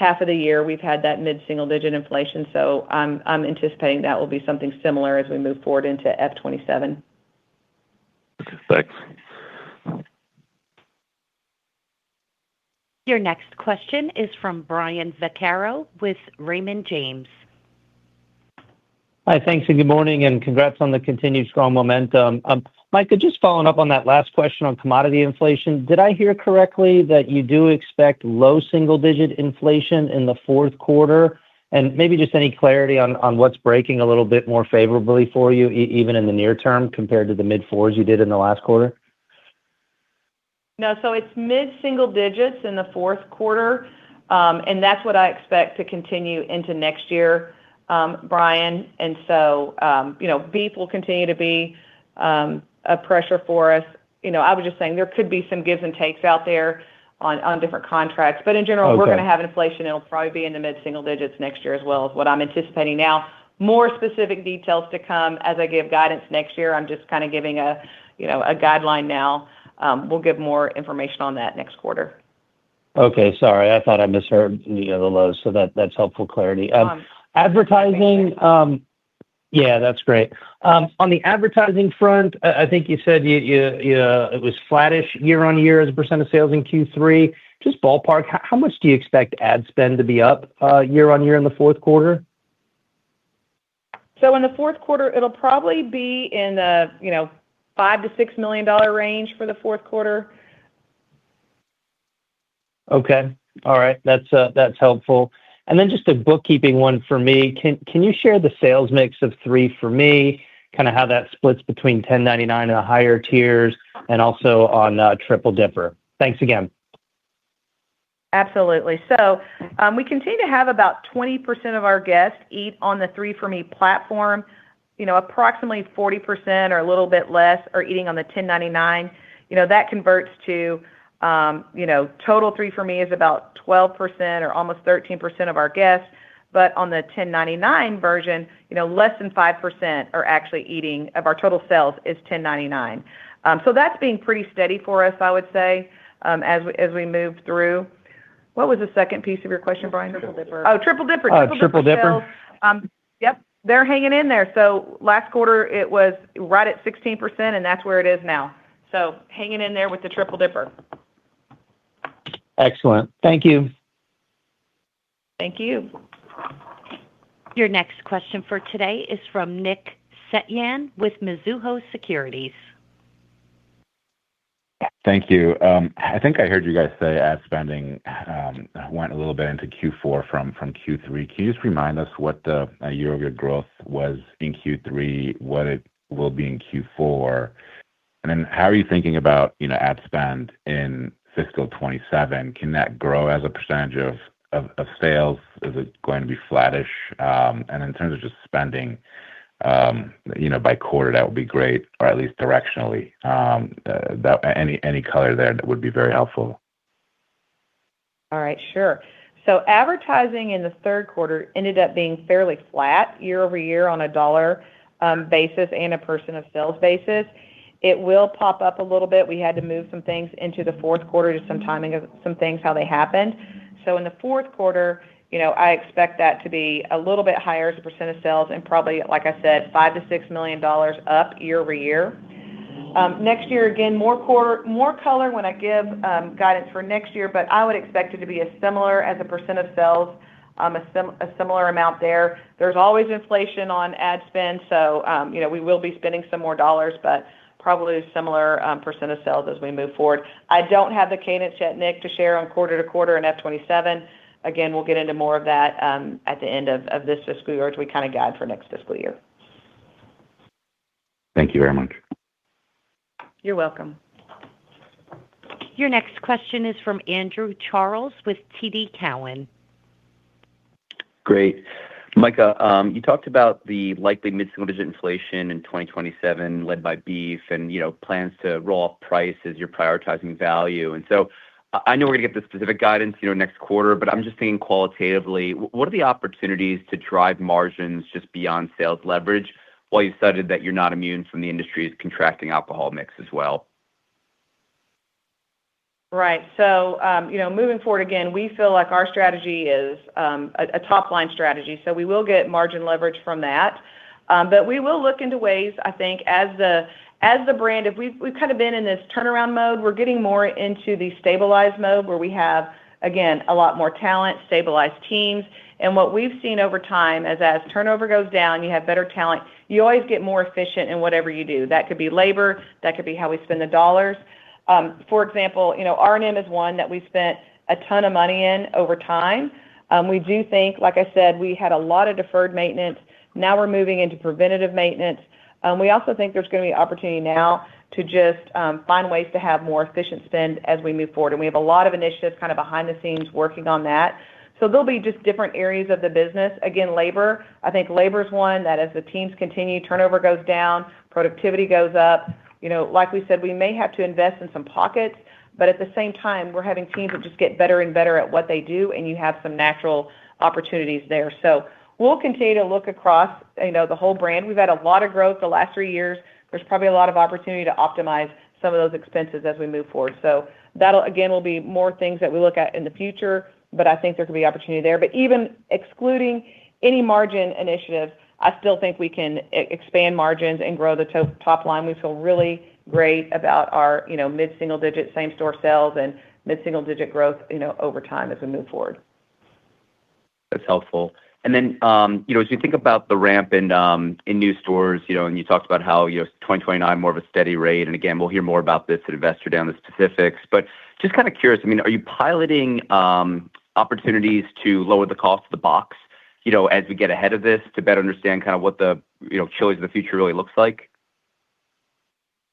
half of the year we've had that mid-single digit inflation. I'm anticipating that will be something similar as we move forward into F 2027. Okay, thanks. Your next question is from Brian Vaccaro with Raymond James. Hi. Thanks and good morning, and congrats on the continued strong momentum. Mika, just following up on that last question on commodity inflation. Did I hear correctly that you do expect low single digit inflation in the fourth quarter? And maybe just any clarity on what's breaking a little bit more favorably for you even in the near term compared to the mid-fours you did in the last quarter? No. It's mid-single digits in the fourth quarter, and that's what I expect to continue into next year, Brian. You know, beef will continue to be a pressure for us. You know, I was just saying there could be some gives and takes out there on different contracts. But in general. Okay we're gonna have inflation, it'll probably be in the mid-single digits next year as well, is what I'm anticipating now. More specific details to come as I give guidance next year. I'm just kinda giving a, you know, a guideline now. We'll give more information on that next quarter. Okay. Sorry, I thought I misheard the lows, so that's helpful clarity. No. Advertising. Yeah, that's great. On the advertising front, I think you said it was flattish year-on-year as a percent of sales in Q3. Just ballpark, how much do you expect ad spend to be up year-on-year in the fourth quarter? In the fourth quarter, it'll probably be in the, you know, $5 million-$6 million range for the fourth quarter. Okay. All right. That's, that's helpful. Just a bookkeeping one for me. Can you share the sales mix of 3 for Me? Kinda how that splits between $10.99 and the higher tiers, and also on Triple Dipper. Thanks again. Absolutely. We continue to have about 20% of our guests eat on the 3 for Me platform. You know, approximately 40% or a little bit less are eating on the $10.99. You know, that converts to, you know, total 3 for Me is about 12% or almost 13% of our guests. On the $10.99 version, you know, less than 5% are actually eating, of our total sales, is $10.99. That's been pretty steady for us, I would say, as we move through. What was the second piece of your question, Brian? Triple Dipper. Oh, Triple Dipper. Triple Dipper. Triple sales. Yep, they're hanging in there. Last quarter it was right at 16%, and that's where it is now. Hanging in there with the Triple Dipper. Excellent. Thank you. Thank you. Your next question for today is from Nick Setyan with Mizuho Securities. Thank you. I think I heard you guys say ad spending went a little bit into Q4 from Q3. Can you just remind us what the year-over-year growth was in Q3, what it will be in Q4? How are you thinking about, you know, ad spend in fiscal 2027? Can that grow as a percentage of sales? Is it going to be flattish? In terms of just spending, you know, by quarter, that would be great, or at least directionally. Any, any color there, that would be very helpful. All right. Sure. Advertising in the third quarter ended up being fairly flat year-over-year on a dollar basis and a percent of sales basis. It will pop up a little bit. We had to move some things into the fourth quarter, just some timing of some things, how they happened. In the fourth quarter, you know, I expect that to be a little bit higher as a percent of sales and probably, like I said, $5 million-$6 million up year-over-year. Next year, again, more color when I give guidance for next year, but I would expect it to be as similar as a percent of sales, a similar amount there. There's always inflation on ad spend, you know, we will be spending some more dollars, but probably a similar percent of sales as we move forward. I don't have the cadence yet, Nick, to share on quarter to quarter in FY 2027. Again, we'll get into more of that at the end of this fiscal year as we kind of guide for next fiscal year. Thank you very much. You're welcome. Your next question is from Andrew Charles with TD Cowen. Great Mika, you talked about the likely mid-single digit inflation in 2027 led by beef and, you know, plans to roll off price as you're prioritizing value. I know we're gonna get the specific guidance, you know, next quarter, but I'm just thinking qualitatively, what are the opportunities to drive margins just beyond sales leverage while you've studied that you're not immune from the industry's contracting alcohol mix as well? Right. You know, moving forward, again, we feel like our strategy is a top line strategy. We will get margin leverage from that. We will look into ways, I think, as the, as the brand, if we've kind of been in this turnaround mode. We're getting more into the stabilized mode where we have, again, a lot more talent, stabilized teams. What we've seen over time is as turnover goes down, you have better talent. You always get more efficient in whatever you do. That could be labor, that could be how we spend the dollars. For example, you know, R&M is one that we spent a ton of money in over time. We do think, like I said, we had a lot of deferred maintenance. Now we're moving into preventative maintenance. We also think there's gonna be opportunity now to just find ways to have more efficient spend as we move forward. We have a lot of initiatives kind of behind the scenes working on that. There'll be just different areas of the business. Again, labor. I think labor is one that as the teams continue, turnover goes down, productivity goes up. Like we said, we may have to invest in some pockets, but at the same time, we're having teams that just get better and better at what they do, and you have some natural opportunities there. We'll continue to look across the whole brand. We've had a lot of growth the last three years. There's probably a lot of opportunity to optimize some of those expenses as we move forward. That'll again, will be more things that we look at in the future, but I think there could be opportunity there. Even excluding any margin initiative, I still think we can expand margins and grow the top line. We feel really great about our, you know, mid-single digit same store sales and mid-single digit growth, you know, over time as we move forward. That's helpful. You know, as you think about the ramp in new stores, you know, and you talked about how, you know, 2029 more of a steady rate, and again, we'll hear more about this at Investor Day on the specifics. Kind of curious, I mean, are you piloting opportunities to lower the cost of the box, you know, as we get ahead of this to better understand kind of what the, you know, Chili's of the future really looks like?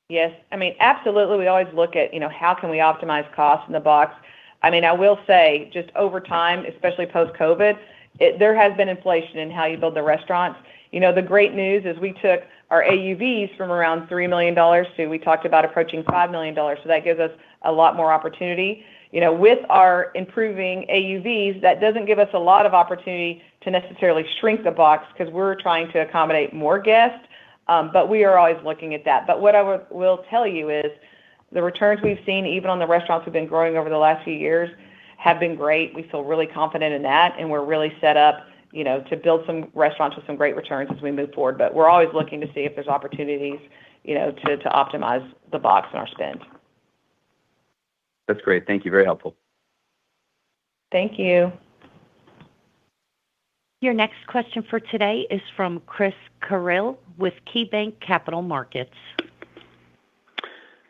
Yes. I mean, absolutely, we always look at, you know, how can we optimize costs in the box. I mean, I will say just over time, especially post COVID, there has been inflation in how you build the restaurants. You know, the great news is we took our AUVs from around $3 million to we talked about approaching $5 million. That gives us a lot more opportunity. You know, with our improving AUVs, that doesn't give us a lot of opportunity to necessarily shrink the box because we're trying to accommodate more guests, but we are always looking at that. What I will tell you is the returns we've seen even on the restaurants we've been growing over the last few years have been great. We feel really confident in that, and we're really set up, you know, to build some restaurants with some great returns as we move forward. We're always looking to see if there's opportunities, you know, to optimize the box and our spend. That's great. Thank you. Very helpful. Thank you. Your next question for today is from Chris Carril with KeyBanc Capital Markets.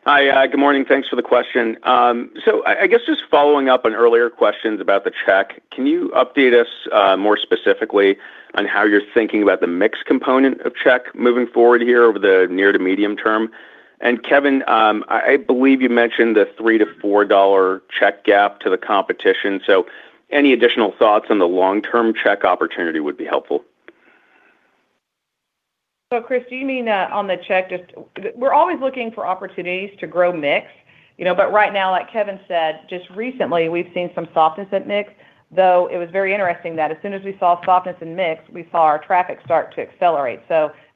Hi. Good morning. Thanks for the question. I guess just following up on earlier questions about the check, can you update us more specifically on how you're thinking about the mix component of check moving forward here over the near to medium term? Kevin, I believe you mentioned the $3-$4 check gap to the competition. Any additional thoughts on the long term check opportunity would be helpful. Chris, do you mean on the check? We're always looking for opportunities to grow mix, you know. Right now, like Kevin said, just recently, we've seen some softness at mix. Though it was very interesting that as soon as we saw softness in mix, we saw our traffic start to accelerate.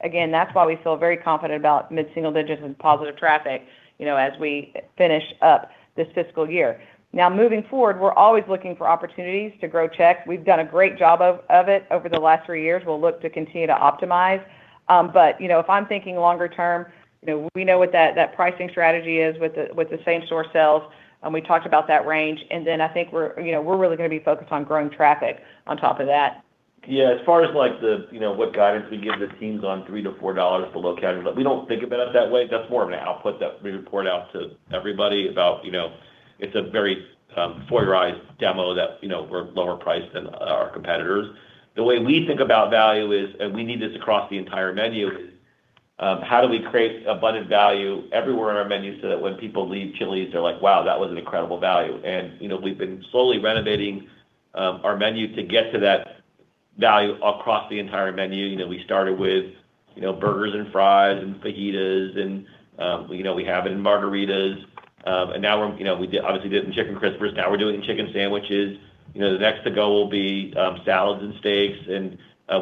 Again, that's why we feel very confident about mid-single digits and positive traffic, you know, as we finish up this fiscal year. Now moving forward, we're always looking for opportunities to grow check. We've done a great job of it over the last three years. We'll look to continue to optimize. But you know, if I'm thinking longer term, you know, we know what that pricing strategy is with the same store sales, and we talked about that range. I think we're, you know, we're really gonna be focused on growing traffic on top of that. Yeah. As far as like the, you know, what guidance we give the teams on $3-$4 below category, but we don't think about it that way. That's more of an output that we report out to everybody about, you know, it's a very foyerized demo that, you know, we're lower priced than our competitors. The way we think about value is, and we need this across the entire menu, is how do we create abundant value everywhere in our menu so that when people leave Chili's, they're like, "Wow, that was an incredible value." You know, we've been slowly renovating our menu to get to that value across the entire menu. You know, we started with, you know, burgers and fries and fajitas and, you know, we have it in margaritas. Now we're, you know, we did obviously did it in Chicken Crispers. Now we're doing chicken sandwiches. You know, the next to go will be salads and steaks.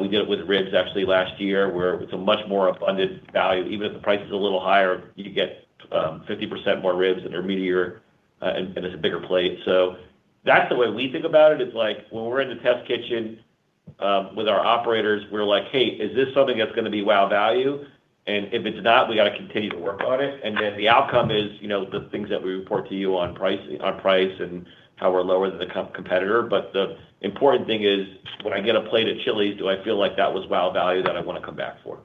We did it with ribs actually last year, where it's a much more abundant value. Even if the price is a little higher, you get 50% more ribs and they're meatier and it's a bigger plate. That's the way we think about it. It's like when we're in the test kitchen with our operators, we're like, "Hey, is this something that's gonna be wow value? And if it's not, we gotta continue to work on it." The outcome is, you know, the things that we report to you on price and how we're lower than the competitor. The important thing is when I get a plate of Chili's, do I feel like that was wow value that I wanna come back for?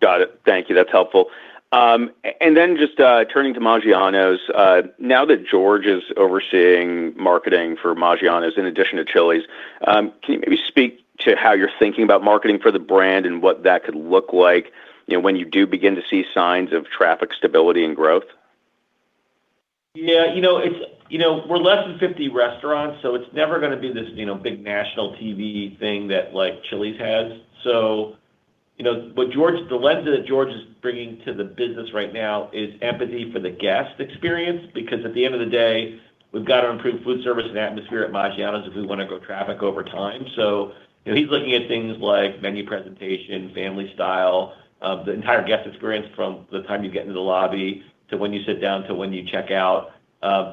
Got it. Thank you. That's helpful. Then just, turning to Maggiano's, now that George is overseeing marketing for Maggiano's in addition to Chili's, can you maybe speak to how you're thinking about marketing for the brand and what that could look like, you know, when you do begin to see signs of traffic stability and growth? Yeah, you know, it's, you know, we're less than 50 restaurants, so it's never gonna be this, you know, big national TV thing that like Chili's has. You know, but George, the lens that George is bringing to the business right now is empathy for the guest experience. Because at the end of the day, we've got to improve food service and atmosphere at Maggiano's if we wanna grow traffic over time. You know, he's looking at things like menu presentation, family style, the entire guest experience from the time you get into the lobby to when you sit down to when you check out.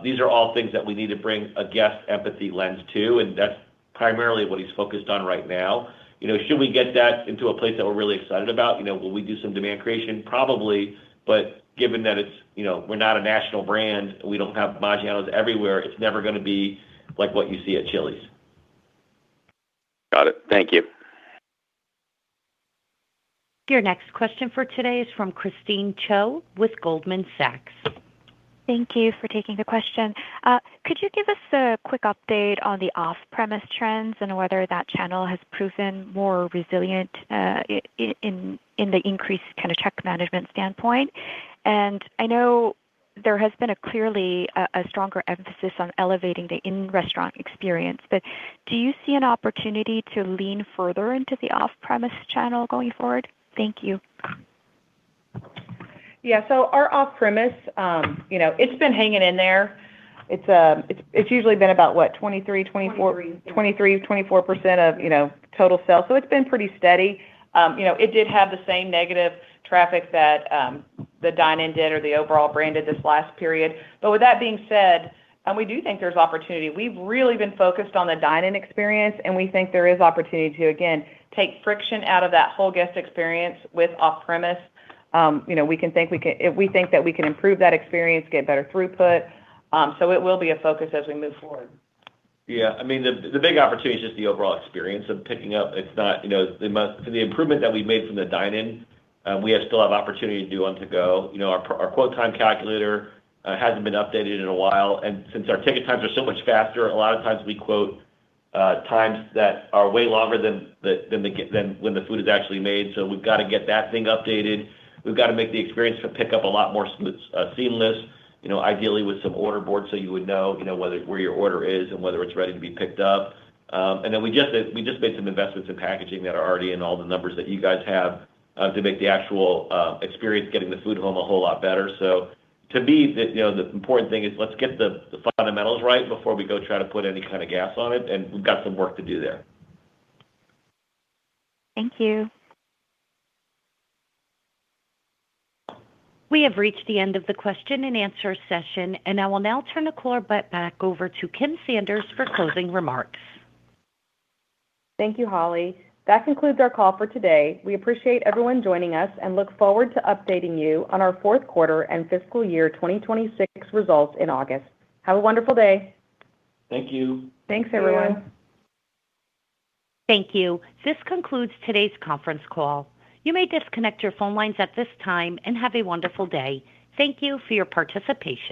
These are all things that we need to bring a guest empathy lens to, and that's primarily what he's focused on right now. You know, should we get that into a place that we're really excited about? You know, will we do some demand creation? Probably. Given that it's, you know, we're not a national brand, we don't have Maggiano's everywhere, it's never gonna be like what you see at Chili's. Got it. Thank you. Your next question for today is from Christine Cho with Goldman Sachs. Thank you for taking the question. Could you give us a quick update on the off-premise trends and whether that channel has proven more resilient, in the increased kind of check management standpoint? I know there has been a clearly, a stronger emphasis on elevating the in-restaurant experience, but do you see an opportunity to lean further into the off-premise channel going forward? Thank you. Yeah. Our off-premise, you know, it's been hanging in there. It's usually been about, what, 23%, 24%- 23. 23%, 24% of, you know, total sales. It's been pretty steady. You know, it did have the same negative traffic that the dine-in did or the overall brand did this last period. With that being said, we do think there's opportunity. We've really been focused on the dine-in experience, and we think there is opportunity to, again, take friction out of that whole guest experience with off-premise. You know, we think that we can improve that experience, get better throughput. It will be a focus as we move forward. Yeah. I mean, the big opportunity is just the overall experience of picking up. It's not, you know, the improvement that we've made from the dine-in, we still have opportunity to do on-to-go. You know, our quote time calculator hasn't been updated in a while. Since our ticket times are so much faster, a lot of times we quote times that are way longer than when the food is actually made. We've gotta get that thing updated. We've gotta make the experience to pick up a lot more seamless, you know, ideally with some order boards so you would know, you know, whether where your order is and whether it's ready to be picked up. We just made some investments in packaging that are already in all the numbers that you guys have to make the actual experience getting the food home a whole lot better. To me, you know, the important thing is let's get the fundamentals right before we go try to put any kind of gas on it, and we've got some work to do there. Thank you. We have reached the end of the question and answer session, and I will now turn the call back over to Kim Sanders for closing remarks. Thank you, Holly. That concludes our call for today. We appreciate everyone joining us and look forward to updating you on our fourth quarter and fiscal year 2026 results in August. Have a wonderful day. Thank you. Thanks, everyone. Thank you. This concludes today's conference call. You may disconnect your phone lines at this time, and have a wonderful day. Thank you for your participation.